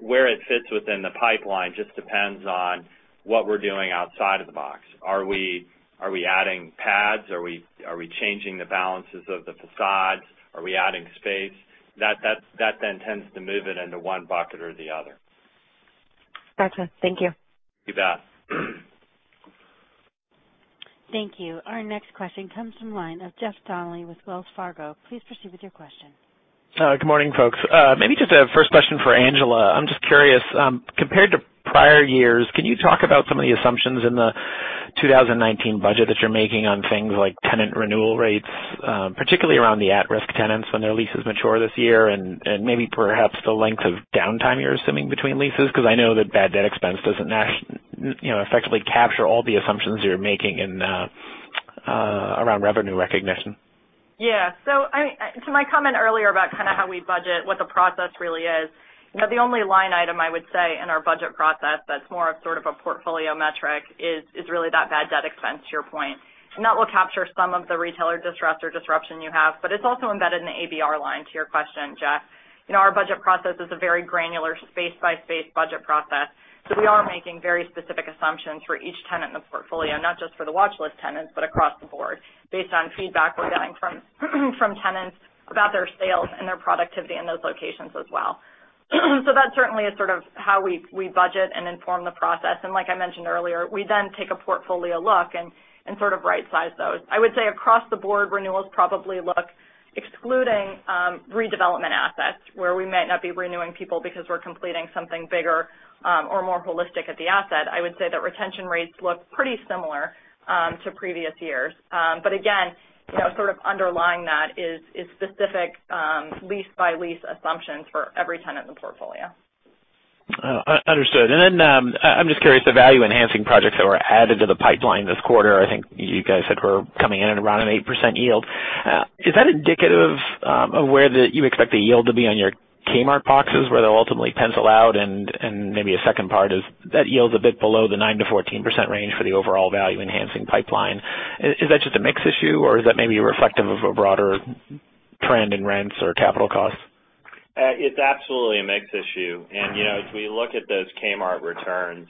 Where it fits within the pipeline just depends on what we're doing outside of the box. Are we adding pads? Are we changing the balances of the facades? Are we adding space? That then tends to move it into one bucket or the other. Gotcha. Thank you. You bet. Thank you. Our next question comes from line of Jeffrey Donnelly with Wells Fargo. Please proceed with your question. Good morning, folks. Maybe just a first question for Angela. I'm just curious, compared to prior years, can you talk about some of the assumptions in the 2019 budget that you're making on things like tenant renewal rates, particularly around the at-risk tenants when their leases mature this year, and maybe perhaps the length of downtime you're assuming between leases? Because I know that bad debt expense doesn't effectively capture all the assumptions you're making around revenue recognition. To my comment earlier about how we budget, what the process really is. The only line item I would say in our budget process that's more of a portfolio metric is really that bad debt expense, to your point. That will capture some of the retailer distress or disruption you have, but it's also embedded in the ABR line, to your question, Jeff. Our budget process is a very granular space-by-space budget process. We are making very specific assumptions for each tenant in the portfolio, not just for the watch list tenants, but across the board, based on feedback we're getting from tenants about their sales and their productivity in those locations as well. That certainly is how we budget and inform the process. Like I mentioned earlier, we then take a portfolio look and right size those. I would say across the board, renewals probably look, excluding redevelopment assets, where we might not be renewing people because we're completing something bigger or more holistic at the asset. I would say that retention rates look pretty similar to previous years. Again, underlying that is specific lease-by-lease assumptions for every tenant in the portfolio. Understood. Then, I'm just curious, the value-enhancing projects that were added to the pipeline this quarter, I think you guys had were coming in at around an 8% yield. Is that indicative of where you expect the yield to be on your Kmart boxes, where they'll ultimately pencil out, and maybe a second part is, that yield's a bit below the 9%-14% range for the overall value-enhancing pipeline. Is that just a mix issue, or is that maybe reflective of a broader trend in rents or capital costs? It's absolutely a mix issue. As we look at those Kmart returns,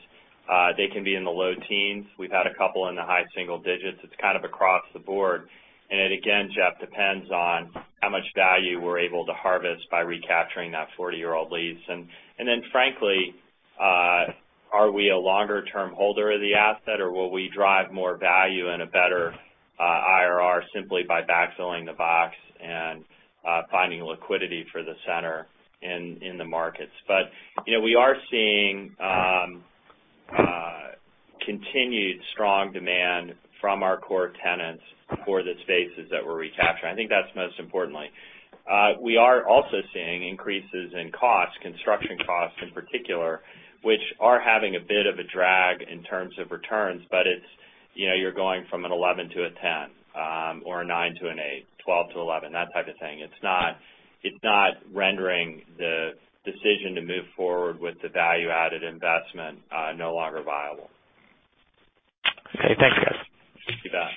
they can be in the low teens. We've had a couple in the high single digits. It's kind of across the board. It, again, Jeff, depends on how much value we're able to harvest by recapturing that 40-year-old lease. Then frankly, are we a longer-term holder of the asset, or will we drive more value and a better IRR simply by backfilling the box and finding liquidity for the center in the markets? We are seeing continued strong demand from our core tenants for the spaces that we're recapturing. I think that's most importantly. We are also seeing increases in costs, construction costs in particular, which are having a bit of a drag in terms of returns, but you're going from an 11 to a 10, or a nine to an eight, 12 to 11. That type of thing. It's not rendering the decision to move forward with the value-added investment no longer viable. Okay. Thank you, guys. Thank you, Jeff.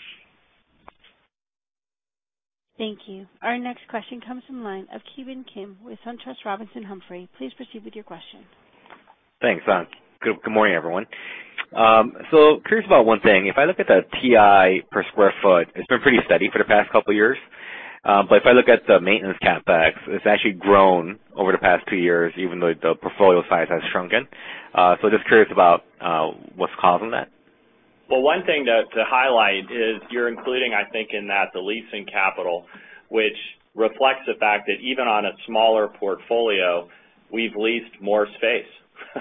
Thank you. Our next question comes from line of Ki Bin Kim with SunTrust Robinson Humphrey. Please proceed with your question. Thanks. Good morning, everyone. Curious about one thing. If I look at the TI per sq ft, it's been pretty steady for the past couple of years. If I look at the maintenance CapEx, it's actually grown over the past two years, even though the portfolio size has shrunken. Just curious about what's causing that. Well, one thing to highlight is you're including, I think, in that the leasing capital, which reflects the fact that even on a smaller portfolio, we've leased more space.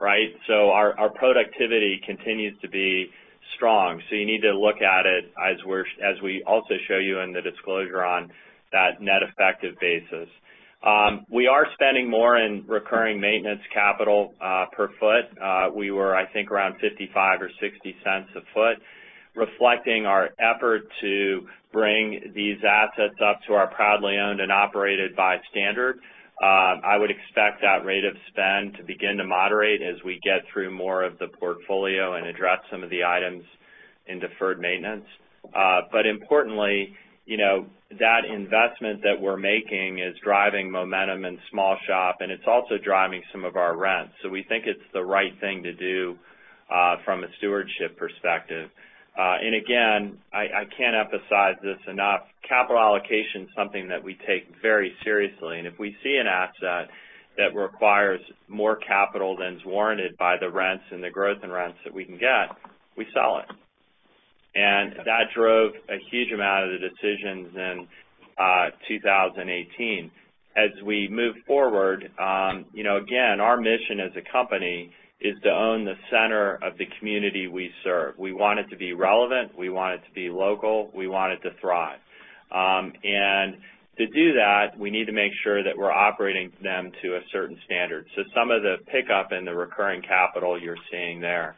Right? Our productivity continues to be strong. You need to look at it as we also show you in the disclosure on that net effective basis. We are spending more in recurring maintenance capital per sq ft. We were, I think, around $0.55 or $0.60 a sq ft, reflecting our effort to bring these assets up to our proudly owned and operated by standard. I would expect that rate of spend to begin to moderate as we get through more of the portfolio and address some of the items in deferred maintenance. Importantly. That investment that we're making is driving momentum in small shop, and it's also driving some of our rents. We think it's the right thing to do from a stewardship perspective. Again, I can't emphasize this enough, capital allocation is something that we take very seriously. If we see an asset that requires more capital than is warranted by the rents and the growth in rents that we can get, we sell it. That drove a huge amount of the decisions in 2018. As we move forward, again, our mission as a company is to own the center of the community we serve. We want it to be relevant. We want it to be local. We want it to thrive. To do that, we need to make sure that we're operating them to a certain standard. Some of the pickup in the recurring capital you're seeing there.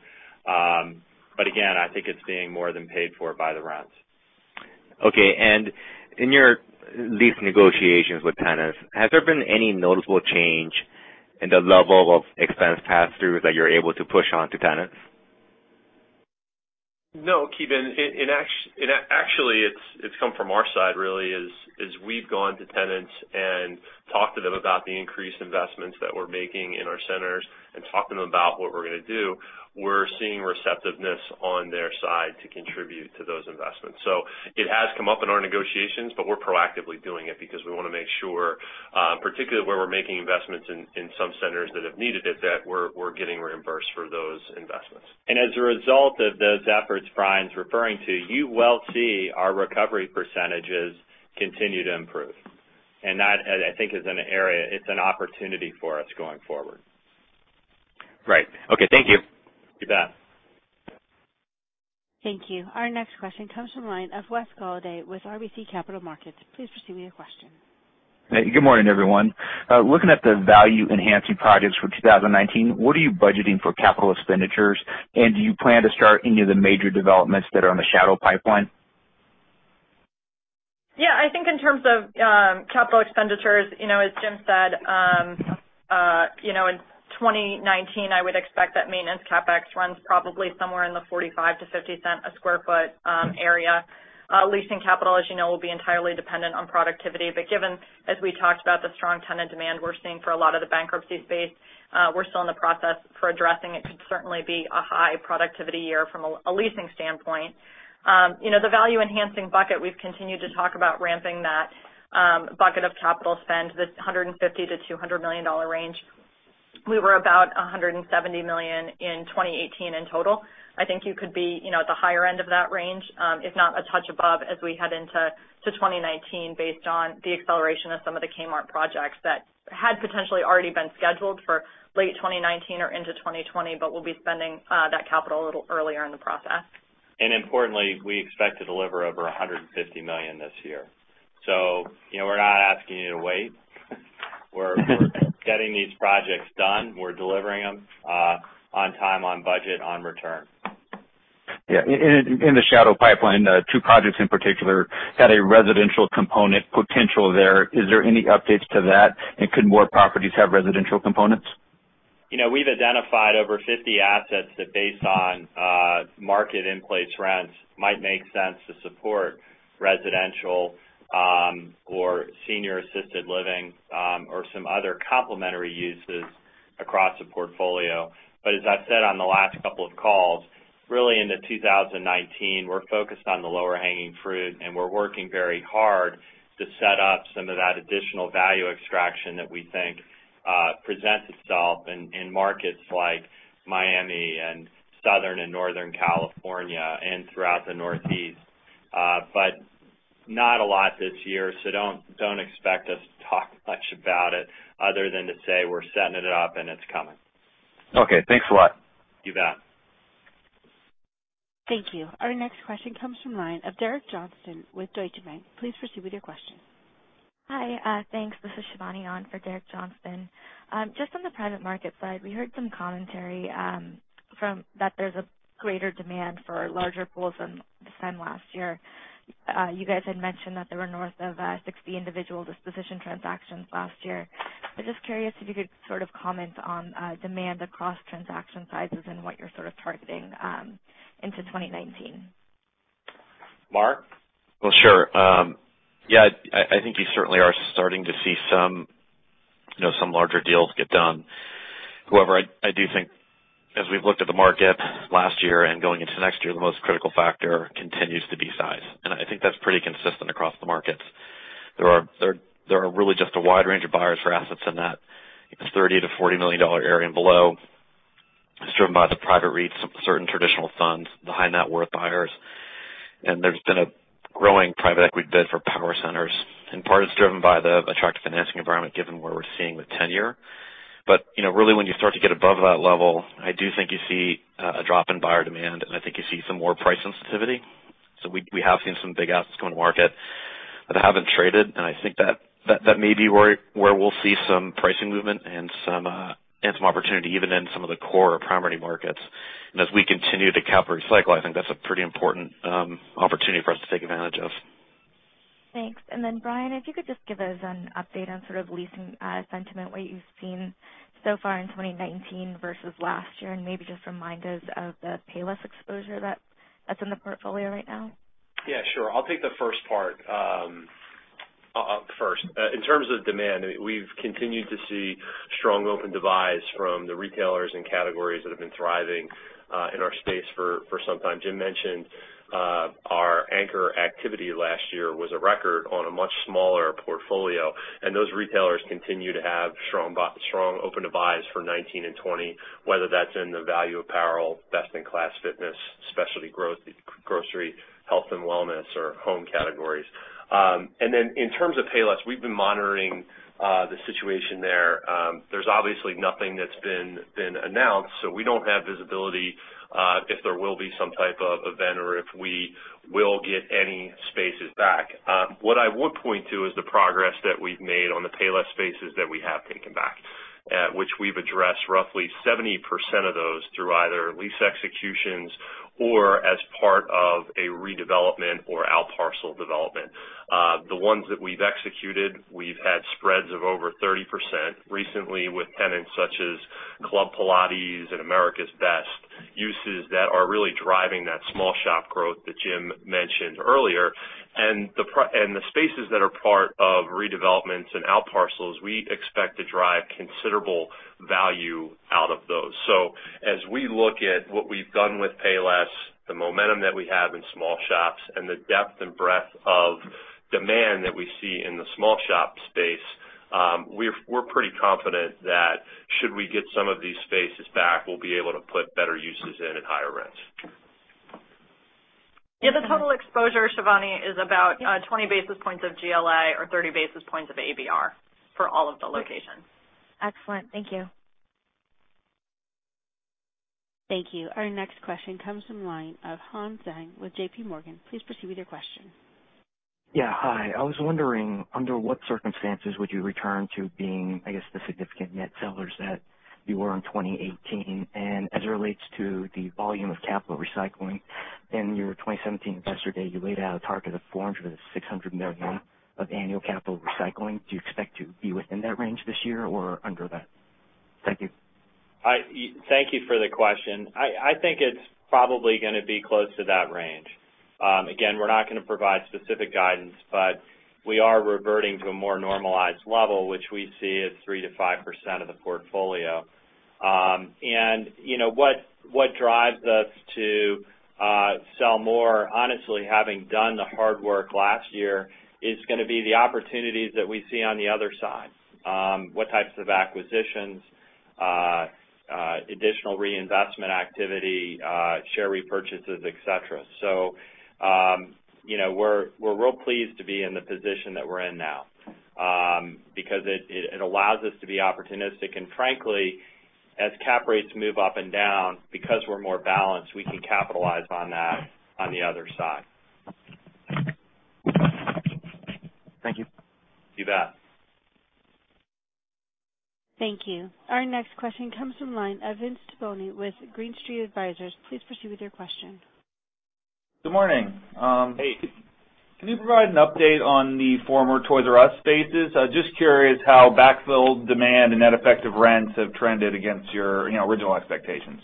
Again, I think it's being more than paid for by the rents. Okay. In your lease negotiations with tenants, has there been any noticeable change in the level of expense passthroughs that you're able to push on to tenants? No, Ki Bin. Actually, it's come from our side, really, as we've gone to tenants and talked to them about the increased investments that we're making in our centers and talked to them about what we're going to do. We're seeing receptiveness on their side to contribute to those investments. It has come up in our negotiations, but we're proactively doing it because we want to make sure, particularly where we're making investments in some centers that have needed it, that we're getting reimbursed for those investments. As a result of those efforts Brian's referring to, you will see our recovery percentages continue to improve. That, I think is an area, it's an opportunity for us going forward. Right. Okay. Thank you. You bet. Thank you. Our next question comes from the line of Wesley Golladay with RBC Capital Markets. Please proceed with your question. Good morning, everyone. Looking at the value-enhancing projects for 2019, what are you budgeting for capital expenditures, and do you plan to start any of the major developments that are in the shadow pipeline? Yeah, I think in terms of capital expenditures, as Jim said, in 2019, I would expect that maintenance CapEx runs probably somewhere in the $0.45 to $0.50 a square foot area. Leasing capital, as you know, will be entirely dependent on productivity. Given, as we talked about, the strong tenant demand we're seeing for a lot of the bankruptcy space, we're still in the process for addressing. It could certainly be a high productivity year from a leasing standpoint. The value-enhancing bucket, we've continued to talk about ramping that bucket of capital spend, the $150 million to $200 million range. We were about $170 million in 2018 in total. I think you could be at the higher end of that range, if not a touch above as we head into 2019, based on the acceleration of some of the Kmart projects that had potentially already been scheduled for late 2019 or into 2020, we'll be spending that capital a little earlier in the process. Importantly, we expect to deliver over $150 million this year. We're not asking you to wait. We're getting these projects done. We're delivering them on time, on budget, on return. Yeah. In the shadow pipeline, two projects in particular had a residential component potential there. Is there any updates to that? Could more properties have residential components? We've identified over 50 assets that based on market in-place rents, might make sense to support residential, or senior assisted living, or some other complementary uses across the portfolio. As I've said on the last couple of calls, really into 2019, we're focused on the lower hanging fruit, and we're working very hard to set up some of that additional value extraction that we think presents itself in markets like Miami and Southern and Northern California and throughout the Northeast. Not a lot this year, don't expect us to talk much about it other than to say we're setting it up and it's coming. Okay. Thanks a lot. You bet. Thank you. Our next question comes from the line of Derek Johnston with Deutsche Bank. Please proceed with your question. Hi. Thanks. This is Shivani on for Derek Johnston. Just on the private market side, we heard some commentary that there's a greater demand for larger pools than this time last year. You guys had mentioned that there were north of 60 individual disposition transactions last year. I'm just curious if you could sort of comment on demand across transaction sizes and what you're sort of targeting into 2019. Mark? Well, sure. Yeah, I think you certainly are starting to see some larger deals get done. However, I do think as we've looked at the market last year and going into next year, the most critical factor continues to be size. I think that's pretty consistent across the markets. There are really just a wide range of buyers for assets in that $30 million-$40 million area and below. It's driven by the private REITs, certain traditional funds, the high net worth buyers. There's been a growing private equity bid for power centers. Part is driven by the attractive financing environment, given where we're seeing with tenure. Really when you start to get above that level, I do think you see a drop in buyer demand, and I think you see some more price sensitivity. We have seen some big assets come to market that haven't traded, and I think that may be where we'll see some pricing movement and some opportunity even in some of the core or primary markets. As we continue to cap cycle, I think that's a pretty important opportunity for us to take advantage of. Thanks. Then Brian, if you could just give us an update on sort of leasing sentiment, what you've seen so far in 2019 versus last year, and maybe just remind us of the Payless exposure that's in the portfolio right now. Yeah, sure. I'll take the first part. First, in terms of demand, we've continued to see strong open divides from the retailers and categories that have been thriving in our space for some time. Jim mentioned our anchor activity last year was a record on a much smaller portfolio, and those retailers continue to have strong open divides for 2019 and 2020, whether that's in the value apparel, best-in-class fitness, specialty grocery, health and wellness, or home categories. Then in terms of Payless, we've been monitoring the situation there. There's obviously nothing that's been announced, so we don't have visibility if there will be some type of event or if we will get any spaces back. What I would point to is the progress that we've made on the Payless spaces that we have taken back, which we've addressed roughly 70% of those through either lease executions or as part of a redevelopment or outparcel development. The ones that we've executed, we've had spreads of over 30%, recently with tenants such as Club Pilates and America's Best, uses that are really driving that small shop growth that Jim mentioned earlier. The spaces that are part of redevelopments and outparcels, we expect to drive considerable value out of those. As we look at what we've done with Payless, the momentum that we have in small shops, and the depth and breadth of demand that we see in the small shop space, we're pretty confident that should we get some of these spaces back, we'll be able to put better uses in at higher rents. Yeah, the total exposure, Shivani, is about 20 basis points of GLA or 30 basis points of ABR for all of the locations. Excellent. Thank you. Thank you. Our next question comes from the line of Hong Zhang with JPMorgan. Please proceed with your question. Yeah. Hi. I was wondering, under what circumstances would you return to being, I guess, the significant net sellers that you were in 2018? As it relates to the volume of capital recycling, in your 2017 investor day, you laid out a target of $400 million-$600 million of annual capital recycling. Do you expect to be within that range this year or under that? Thank you. Thank you for the question. I think it's probably going to be close to that range. Again, we're not going to provide specific guidance, but we are reverting to a more normalized level, which we see as 3%-5% of the portfolio. What drives us to sell more, honestly, having done the hard work last year, is going to be the opportunities that we see on the other side. What types of acquisitions, additional reinvestment activity, share repurchases, et cetera. We're real pleased to be in the position that we're in now, because it allows us to be opportunistic, and frankly, as cap rates move up and down, because we're more balanced, we can capitalize on that on the other side. Thank you. You bet. Thank you. Our next question comes from line of Vince Tibone with Green Street Advisors. Please proceed with your question. Good morning. Hey. Can you provide an update on the former Toys R Us spaces? Just curious how backfill demand and net effective rents have trended against your original expectations.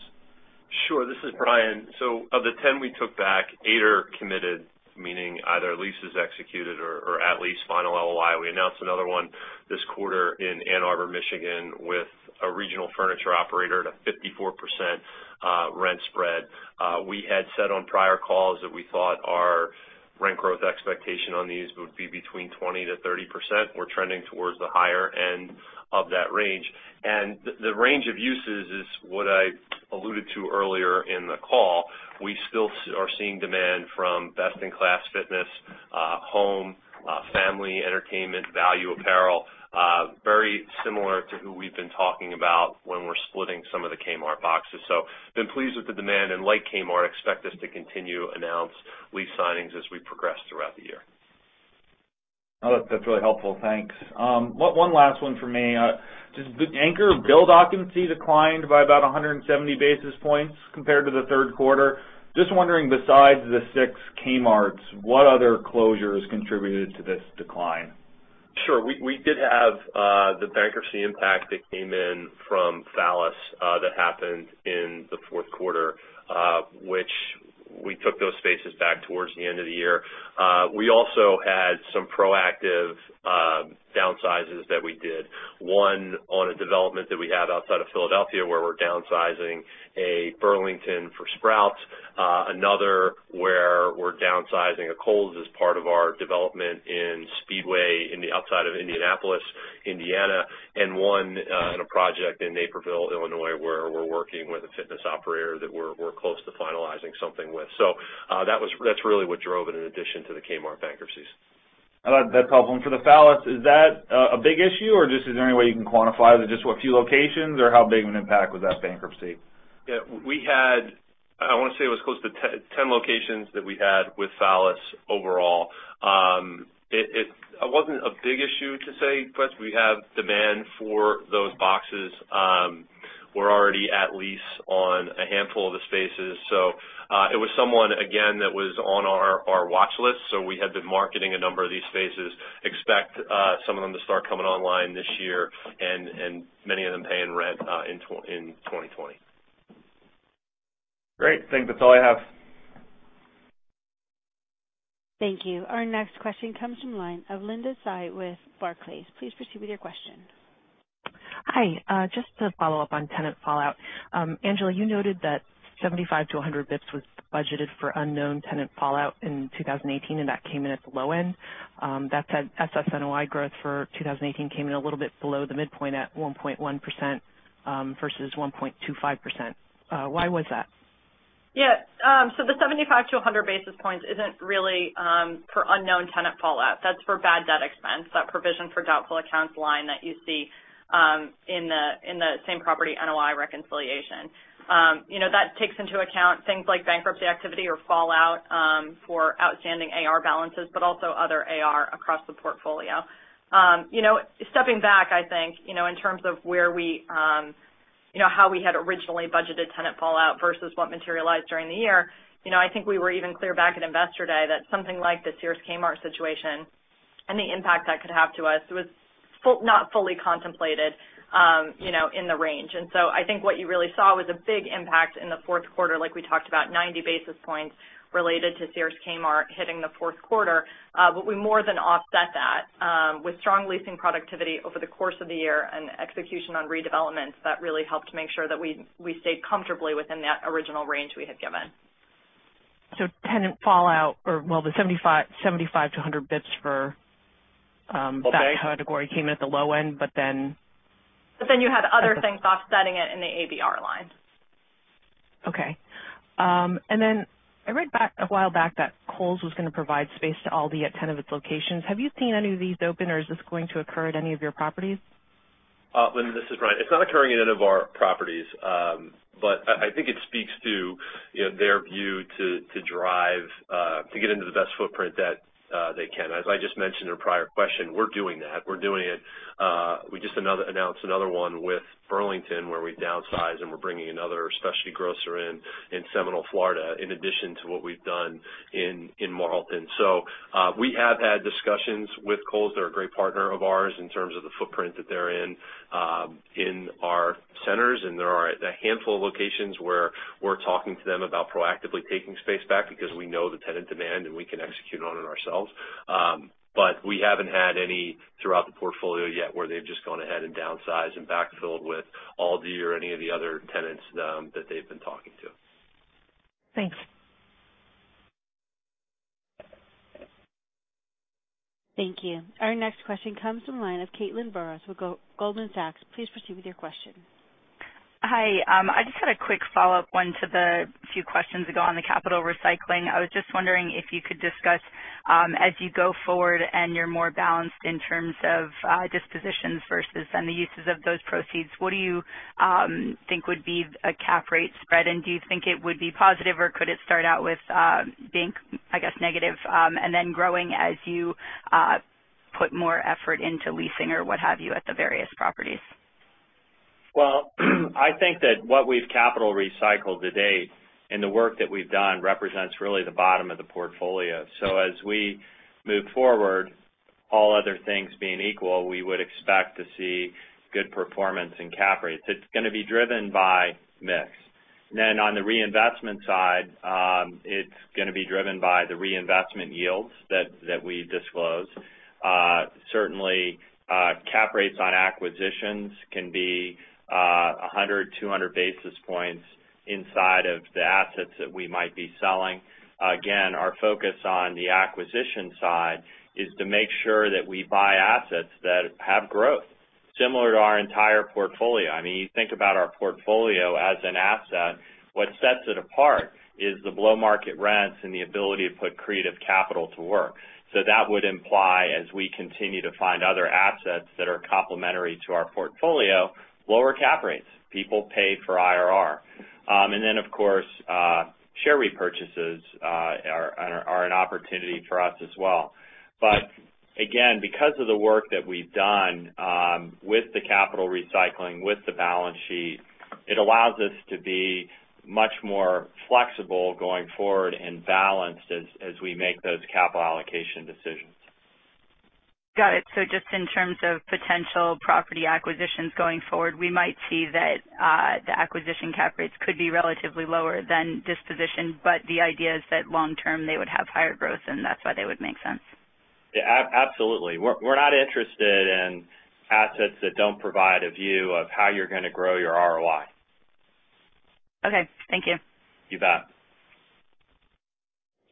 Sure. This is Brian. Of the 10 we took back, eight are committed, meaning either leases executed or at lease final LOI. We announced another one this quarter in Ann Arbor, Michigan, with a regional furniture operator at a 54% rent spread. We had said on prior calls that we thought our rent growth expectation on these would be between 20%-30%. We're trending towards the higher end of that range. The range of uses is what I alluded to earlier in the call. We still are seeing demand from best-in-class fitness, home, family entertainment, value apparel, very similar to who we've been talking about when we're splitting some of the Kmart boxes. Been pleased with the demand, and like Kmart, expect us to continue to announce lease signings as we progress throughout the year. That's really helpful. Thanks. One last one for me. Just the anchor build occupancy declined by about 170 basis points compared to the third quarter. Just wondering, besides the six Kmarts, what other closures contributed to this decline? Sure. We did have the bankruptcy impact that came in from Fallas that happened in the fourth quarter, which we took those spaces back towards the end of the year. We also had some proactive downsizes that we did. One on a development that we have outside of Philadelphia, where we're downsizing a Burlington for Sprouts. Another where we're downsizing a Kohl's as part of our development in Speedway in the outside of Indianapolis, Indiana. One in a project in Naperville, Illinois, where we're working with a fitness operator that we're close to finalizing something with. That's really what drove it in addition to the Kmart bankruptcies. That's helpful. For the Fallas, is that a big issue, or just is there any way you can quantify that just a few locations, or how big of an impact was that bankruptcy? Yeah. I want to say it was close to 10 locations that we had with Fallas overall. It wasn't a big issue, to say, because we have demand for those boxes. We're already at lease on a handful of the spaces. It was someone, again, that was on our watch list. We had been marketing a number of these spaces. Expect some of them to start coming online this year and many of them paying rent in 2020. Great. I think that's all I have. Thank you. Our next question comes from the line of Linda Tsai with Barclays. Please proceed with your question. Hi. Just to follow up on tenant fallout. Angela, you noted that 75-100 basis points was budgeted for unknown tenant fallout in 2018, that came in at the low end. That said, SSNOI growth for 2018 came in a little bit below the midpoint at 1.1% versus 1.25%. Why was that? Yeah. The 75-100 basis points isn't really for unknown tenant fallout. That's for bad debt expense. That provision for doubtful accounts line that you see in the same-property NOI reconciliation. That takes into account things like bankruptcy activity or fallout for outstanding AR balances, but also other AR across the portfolio. Stepping back, I think, in terms of how we had originally budgeted tenant fallout versus what materialized during the year, I think we were even clear back at Investor Day that something like the Sears Kmart situation and the impact that could have to us was not fully contemplated in the range. I think what you really saw was a big impact in the fourth quarter, like we talked about, 90 basis points related to Sears Kmart hitting the fourth quarter. We more than offset that with strong leasing productivity over the course of the year and execution on redevelopments that really helped make sure that we stayed comfortably within that original range we had given. Tenant fallout or, well, the 75-100 basis points Okay that category came in at the low end. You had other things offsetting it in the ABR line. Okay. I read a while back that Kohl's was going to provide space to Aldi at 10 of its locations. Have you seen any of these open, or is this going to occur at any of your properties? Linda, this is Brian. It's not occurring in any of our properties. I think it speaks to their view to get into the best footprint that they can. As I just mentioned in a prior question, we're doing that. We're doing it. We just announced another one with Burlington, where we downsize and we're bringing another specialty grocer in Seminole, Florida, in addition to what we've done in Marlton. We have had discussions with Kohl's. They're a great partner of ours in terms of the footprint that they're in our centers, and there are a handful of locations where we're talking to them about proactively taking space back because we know the tenant demand, and we can execute on it ourselves. We haven't had any throughout the portfolio yet where they've just gone ahead and downsized and backfilled with Aldi or any of the other tenants that they've been talking to. Thanks. Thank you. Our next question comes from the line of Caitlin Burrows with Goldman Sachs. Please proceed with your question. Hi. I just had a quick follow-up, one to the few questions ago on the capital recycling. I was just wondering if you could discuss, as you go forward and you're more balanced in terms of dispositions versus then the uses of those proceeds, what do you think would be a cap rate spread? Do you think it would be positive, or could it start out with being, I guess, negative, and then growing as you put more effort into leasing or what have you at the various properties? I think that what we've capital recycled to date, and the work that we've done represents really the bottom of the portfolio. As we move forward, all other things being equal, we would expect to see good performance in cap rates. It's going to be driven by mix. On the reinvestment side, it's going to be driven by the reinvestment yields that we disclose. Certainly, cap rates on acquisitions can be 100, 200 basis points inside of the assets that we might be selling. Again, our focus on the acquisition side is to make sure that we buy assets that have growth similar to our entire portfolio. You think about our portfolio as an asset, what sets it apart is the below-market rents and the ability to put creative capital to work. That would imply, as we continue to find other assets that are complementary to our portfolio, lower cap rates. People pay for IRR. Of course, share repurchases are an opportunity for us as well. Again, because of the work that we've done with the capital recycling, with the balance sheet, it allows us to be much more flexible going forward and balanced as we make those capital allocation decisions. Got it. Just in terms of potential property acquisitions going forward, we might see that the acquisition cap rates could be relatively lower than disposition, but the idea is that long term, they would have higher growth, and that's why they would make sense. Yeah, absolutely. We're not interested in assets that don't provide a view of how you're going to grow your ROI. Okay. Thank you. You bet.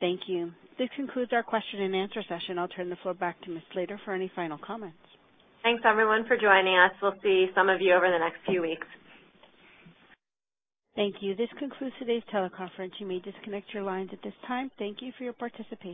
Thank you. This concludes our question and answer session. I'll turn the floor back to Ms. Slater for any final comments. Thanks, everyone, for joining us. We'll see some of you over the next few weeks. Thank you. This concludes today's teleconference. You may disconnect your lines at this time. Thank you for your participation.